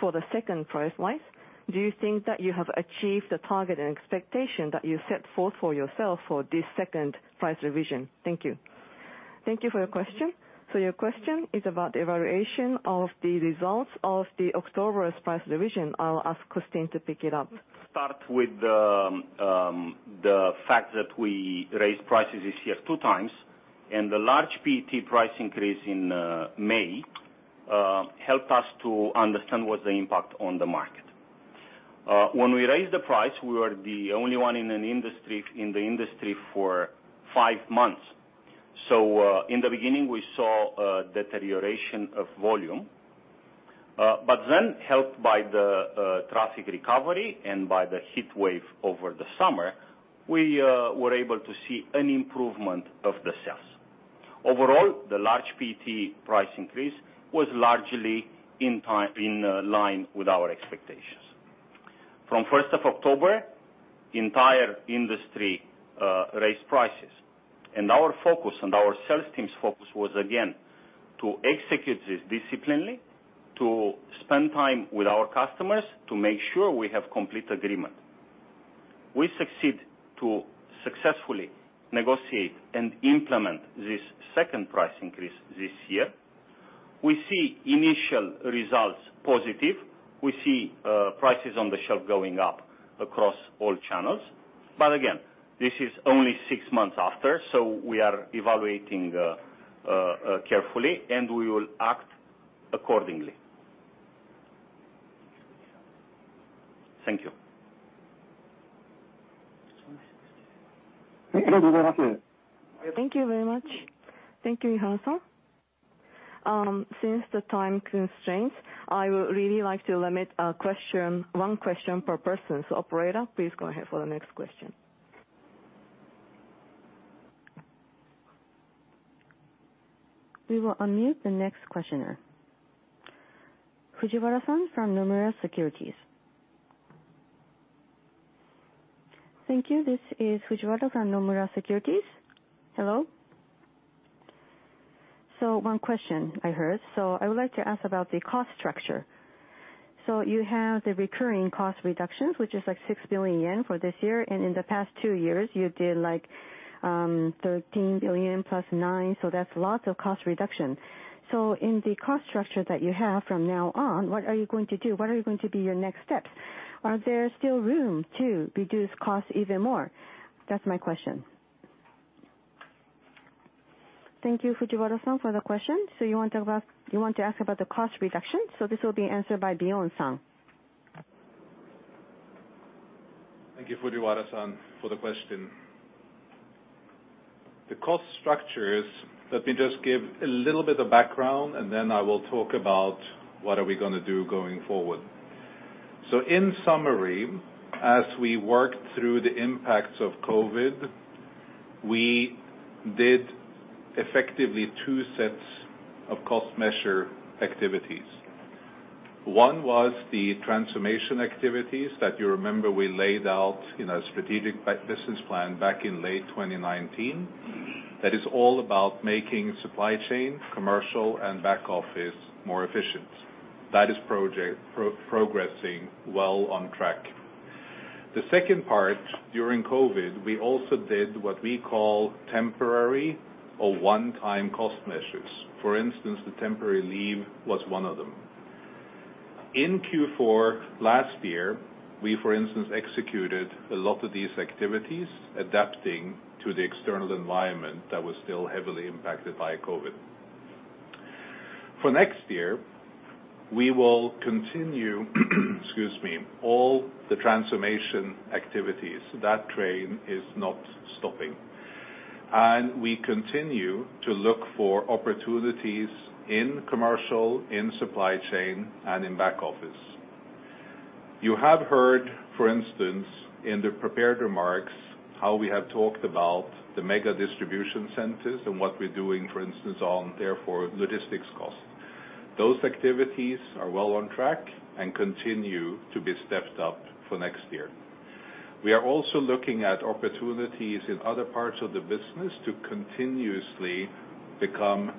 H: for the second price rise? Do you think that you have achieved the target and expectation that you set forth for yourself for this second price revision? Thank you. T
D: hank you for your question. Your question is about the evaluation of the results of the October's price revision. I'll ask Costin to pick it up.
G: Start with the fact that we raised prices this year 2 times, and the large PET price increase in May helped us to understand what's the impact on the market. When we raised the price, we were the only one in the industry for 5 months. In the beginning, we saw a deterioration of volume. Helped by the traffic recovery and by the heat wave over the summer, we were able to see an improvement of the sales. Overall, the large PET price increase was largely on time, in line with our expectations. From first of October, entire industry raised prices. Our focus and our sales team's focus was again to execute this disciplinedly, to spend time with our customers to make sure we have complete agreement. We succeed to successfully negotiate and implement this second price increase this year. We see initial results positive. We see prices on the shelf going up across all channels. Again, this is only six months after, so we are evaluating carefully, and we will act accordingly. Thank you.
D: Thank you very much. Thank you very much. Thank you, Ihara-San. Since the time constraints, I would really like to limit a question, one question per person. Operator, please go ahead for the next question.
E: We will unmute the next questioner. Fujiwara-San from Nomura Securities. T
I: hank you. This is Fujiwara from Nomura Securities. Hello. One question I heard. I would like to ask about the cost structure. You have the recurring cost reductions, which is like 6 billion yen for this year. In the past 2 years, you did like, 13 billion plus 9. That's lots of cost reduction. In the cost structure that you have from now on, what are you going to do? What are you going to be your next steps? Are there still room to reduce costs even more? That's my question.
D: Thank you, Fujiwara-San, for the question. You want to ask about the cost reduction. This will be answered by Bjorn-San.
C: Thank you, Fujiwara-San, for the question. The cost structure is, let me just give a little bit of background and then I will talk about what are we gonna do going forward. In summary, as we work through the impacts of COVID, we did effectively 2 sets of cost measure activities. One was the transformation activities that you remember we laid out in a strategic business plan back in late 2019. That is all about making supply chain, commercial and back office more efficient. That project is progressing well on track. The second part, during COVID, we also did what we call temporary or one-time cost measures. For instance, the temporary leave was one of them. In Q4 last year, we, for instance, executed a lot of these activities adapting to the external environment that was still heavily impacted by COVID. For next year, we will continue, excuse me, all the transformation activities. That train is not stopping. We continue to look for opportunities in commercial, in supply chain, and in back office. You have heard, for instance, in the prepared remarks, how we have talked about the mega distribution centers and what we're doing, for instance, on, therefore, logistics costs. Those activities are well on track and continue to be stepped up for next year. We are also looking at opportunities in other parts of the business to continuously become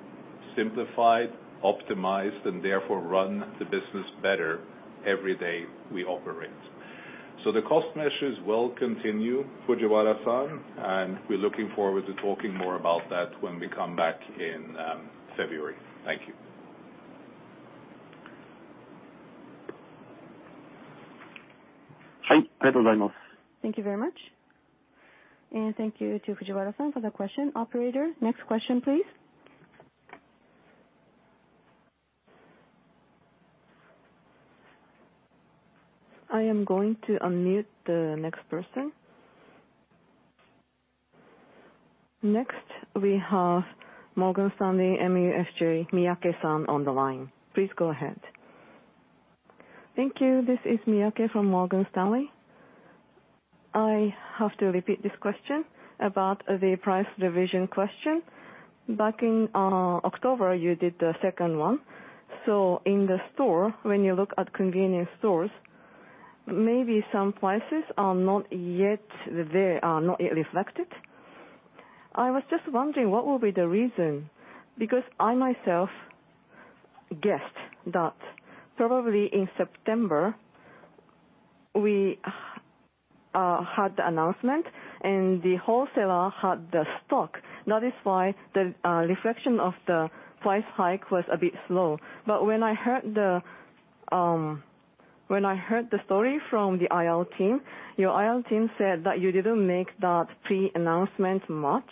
C: simplified, optimized, and therefore run the business better every day we operate. The cost measures will continue, Fujiwara-San, and we're looking forward to talking more about that when we come back in February. Thank you.
D: Hi. Thank you very much. Thank you to Fujiwara-San for the question. Operator, next question, please.
E: I am going to unmute the next person. Next, we have Morgan Stanley, MUFG, Miyake-San on the line. Please go ahead.
J: Thank you. This is Miyake from Morgan Stanley. I have to repeat this question about the price revision question. Back in October, you did the second one. In the store, when you look at convenience stores, maybe some prices are not yet, they are not yet reflected. I was just wondering what will be the reason, because I myself guessed that probably in September we had the announcement and the wholesaler had the stock. That is why the reflection of the price hike was a bit slow. When I heard the story from the IR team, your IR team said that you didn't make that Pre-announcement much.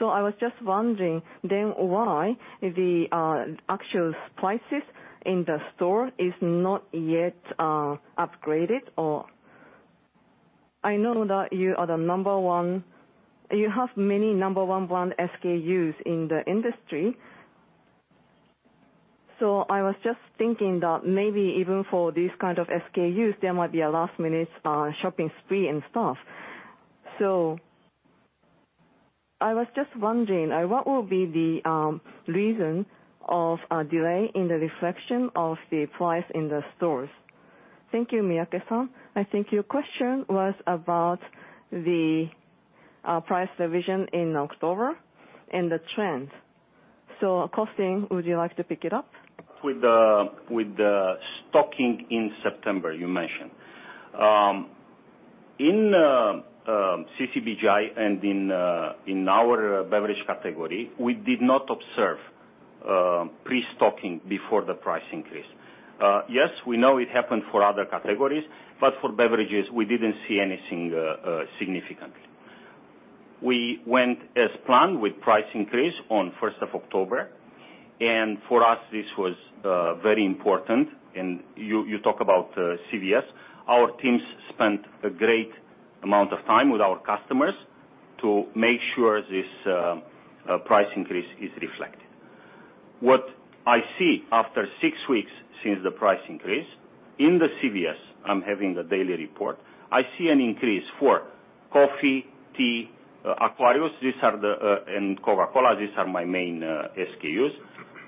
J: I was just wondering then why the actual prices in the store is not yet upgraded or I know that you are the number one. You have many number one brand SKUs in the industry. I was just thinking that maybe even for these kind of SKUs, there might be a last-minute shopping spree and stuff. I was just wondering what will be the reason of delay in the reflection of the price in the stores? Thank you, Miyake-San. I think your question was about the price revision in October and the trend.
D: Costin, would you like to pick it up?
G: With the stocking in September you mentioned. In CCBJI and in our beverage category, we did not observe Pre-stocking before the price increase. Yes, we know it happened for other categories, but for beverages, we didn't see anything significant. We went as planned with price increase on first of October, and for us, this was very important. You talk about CVS. Our teams spent a great amount of time with our customers to make sure this price increase is reflected. What I see after 6 weeks since the price increase in the CVS. I'm having the daily report. I see an increase for coffee, tea, Aquarius and Coca-Cola. These are my main SKUs.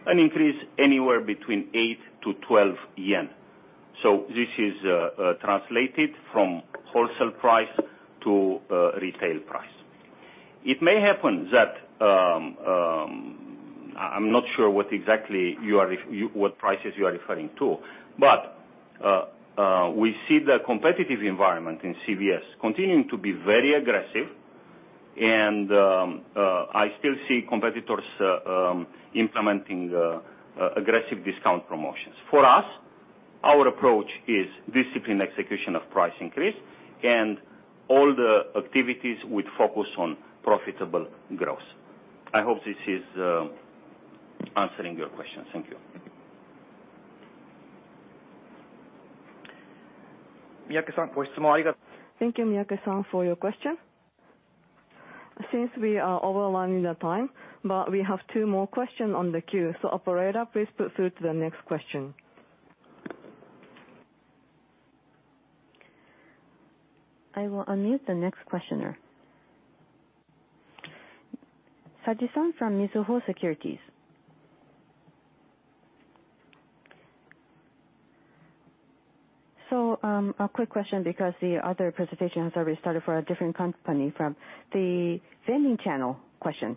G: An increase anywhere between 8-12 yen. This is translated from wholesale price to retail price. It may happen that I'm not sure what exactly you are referring to, what prices you are referring to. We see the competitive environment in CVS continuing to be very aggressive and I still see competitors implementing aggressive discount promotions. For us, our approach is disciplined execution of price increase and all the activities with focus on profitable growth. I hope this is answering your question. Thank you.
D: Thank you, Miyake-San, for your question. Since we are overrunning the time, but we have 2 more question on the queue, so operator, please put through to the next question.
E: I will unmute the next questioner. Saji-San from Mizuho Securities.
K: A quick question because the other presentation has already started for a different company from the vending channel question.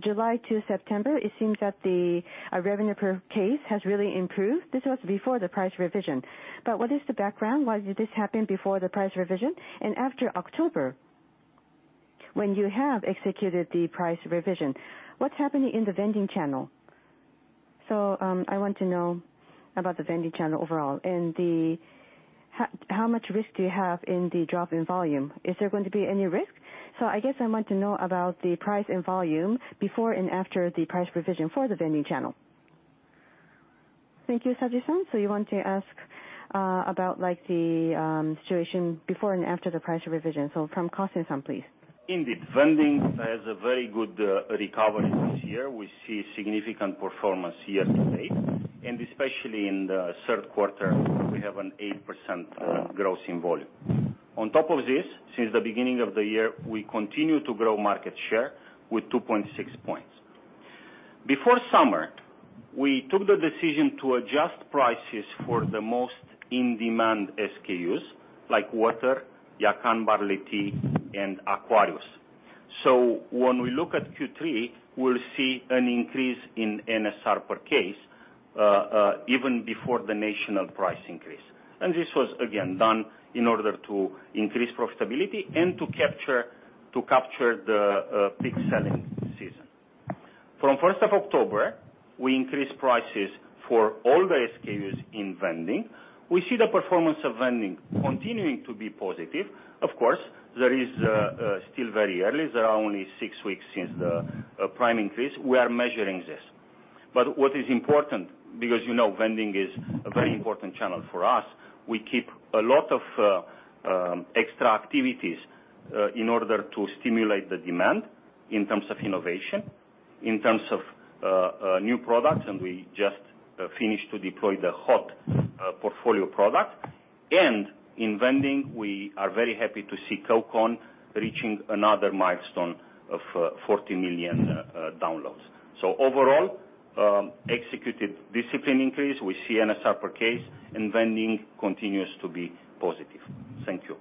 K: July to September, it seems that the revenue per case has really improved. This was before the price revision. What is the background? Why did this happen before the price revision? And after October, when you have executed the price revision, what's happening in the vending channel? I want to know about the vending channel overall and how much risk do you have in the drop-in volume? Is there going to be any risk? I guess I want to know about the price and volume before and after the price revision for the vending channel.
D: Thank you, Saji-San. You want to ask about, like, the situation before and after the price revision. From Costin-San, please.
G: Indeed. Vending has a very good recovery this year. We see significant performance year to date. Especially in the 1/3 1/4, we have an 8% growth in volume. On top of this, since the beginning of the year, we continue to grow market share with 2.6 points. Before summer, we took the decision to adjust prices for the most in-demand SKUs like water, Yakan barley tea and Aquarius. When we look at Q3, we'll see an increase in NSR per case, even before the national price increase. This was again done in order to increase profitability and to capture the peak selling season. From first of October, we increased prices for all the SKUs in vending. We see the performance of vending continuing to be positive. Of course, there is still very early. There are only six weeks since the price increase. We are measuring this. What is important, because you know vending is a very important channel for us, we keep a lot of extra activities in order to stimulate the demand in terms of innovation, in terms of new products, and we just finished to deploy the hot portfolio product. In vending, we are very happy to see Coke On reaching another milestone of 40 million downloads. Overall, executed discipline increase, we see NSR per case and vending continues to be positive. Thank you.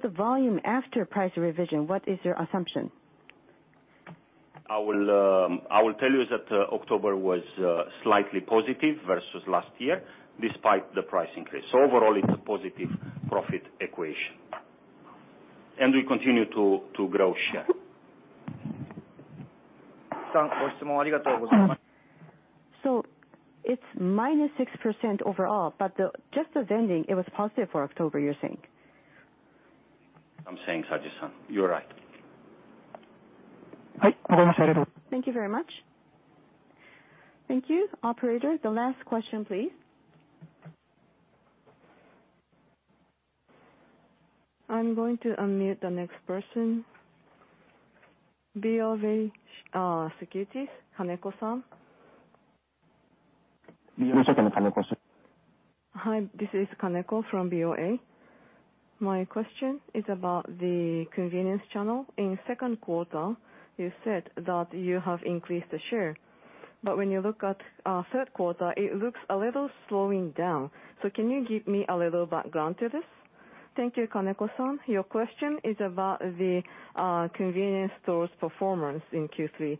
K: The volume after price revision, what is your assumption?
G: I will tell you that October was slightly positive versus last year, despite the price increase. Overall, it's a positive profit equation. We continue to grow share.
D: It's minus 6% overall, but just the vending, it was positive for October, you're saying?
G: I'm saying, Saji-San. You are right.
D: Thank you very much. Thank you. Operator, the last question, please.
E: I'm going to unmute the next person. BofA Securities, Kaneko-San.
L: Hi, this is Kaneko from BofA. My question is about the convenience channel. In second 1/4, you said that you have increased the share, but when you look at 1/3 1/4, it looks a little slowing down. So can you give me a little background to this?
D: Thank you, Kaneko-San. Your question is about the convenience stores performance in Q3.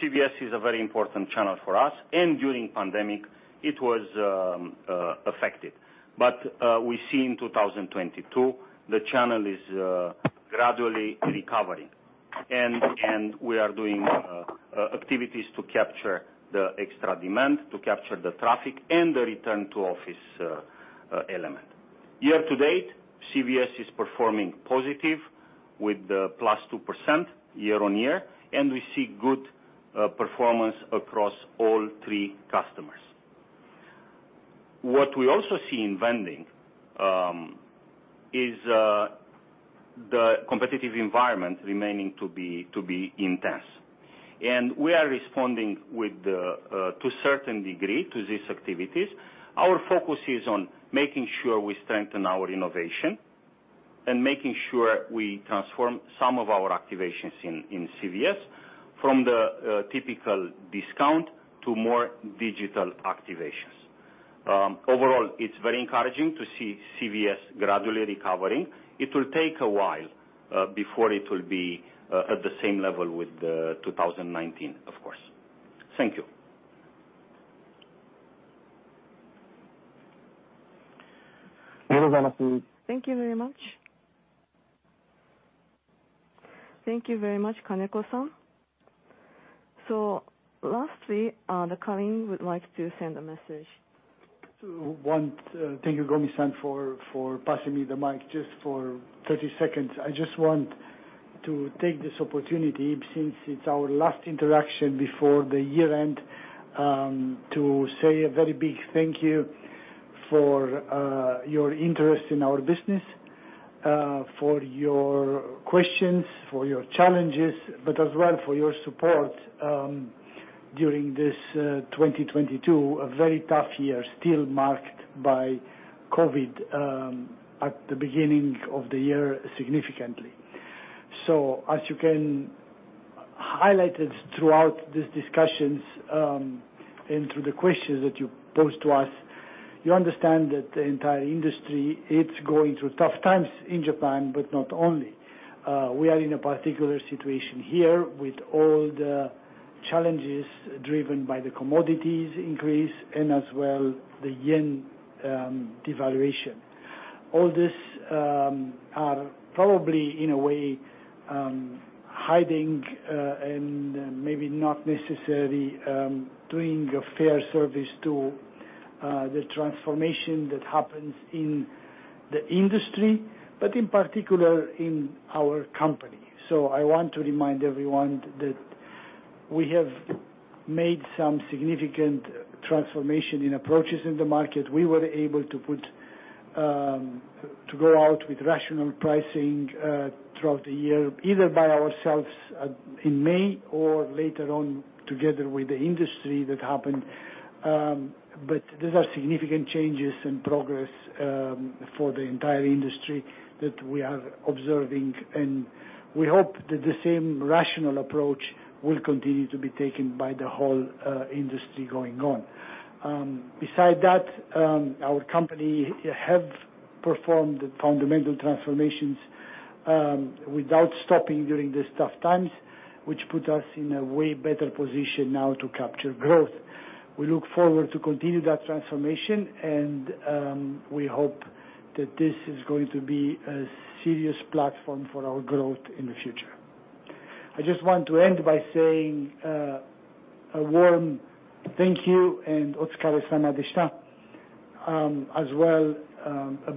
B: CVS is a very important channel for us, and during pandemic it was affected. We see in 2022 the channel is gradually recovering. We are doing activities to capture the extra demand, to capture the traffic and the return-to-office element. Year to date, CVS is performing positive with +2% Year-On-Year, and we see good performance across all 3 customers. What we also see in vending is the competitive environment remaining to be intense. We are responding to a certain degree to these activities. Our focus is on making sure we strengthen our innovation and making sure we transform some of our activations in CVS from the typical discount to more digital activations. Overall, it's very encouraging to see CVS gradually recovering. It will take a while before it will be at the same level with 2019, of course. Thank you.
D: Thank you very much. Thank you very much, Kaneko-San. Lastly, the Calin Dragan would like to send a message.
B: Thank you, Gomi-San, for passing me the mic just for 30 seconds. I just want to take this opportunity since it's our last interaction before the year-end, to say a very big thank you for your interest in our business, for your questions, for your challenges, but as well for your support, during this 2022, a very tough year, still marked by COVID, at the beginning of the year significantly. As you have highlighted throughout these discussions, and through the questions that you posed to us, you understand that the entire industry, it's going through tough times in Japan, but not only. We are in a particular situation here with all the challenges driven by the commodities increase and as well the yen devaluation. All this are probably in a way hiding and maybe not necessarily doing a fair service to the transformation that happens in the industry, but in particular in our company. I want to remind everyone that we have made some significant transformation in approaches in the market. We were able to put to go out with rational pricing throughout the year, either by ourselves in May or later on together with the industry that happened. These are significant changes and progress for the entire industry that we are observing, and we hope that the same rational approach will continue to be taken by the whole industry going on. Besides that, our company have performed fundamental transformations without stopping during these tough times, which put us in a way better position now to capture growth. We look forward to continue that transformation and, we hope that this is going to be a serious platform for our growth in the future. I just want to end by saying, a warm thank you and as well,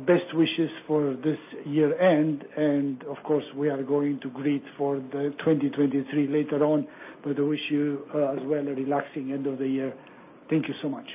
B: best wishes for this year-end. Of course, we are going to greet for the 2023 later on. I wish you, as well a relaxing end of the year. Thank you so much.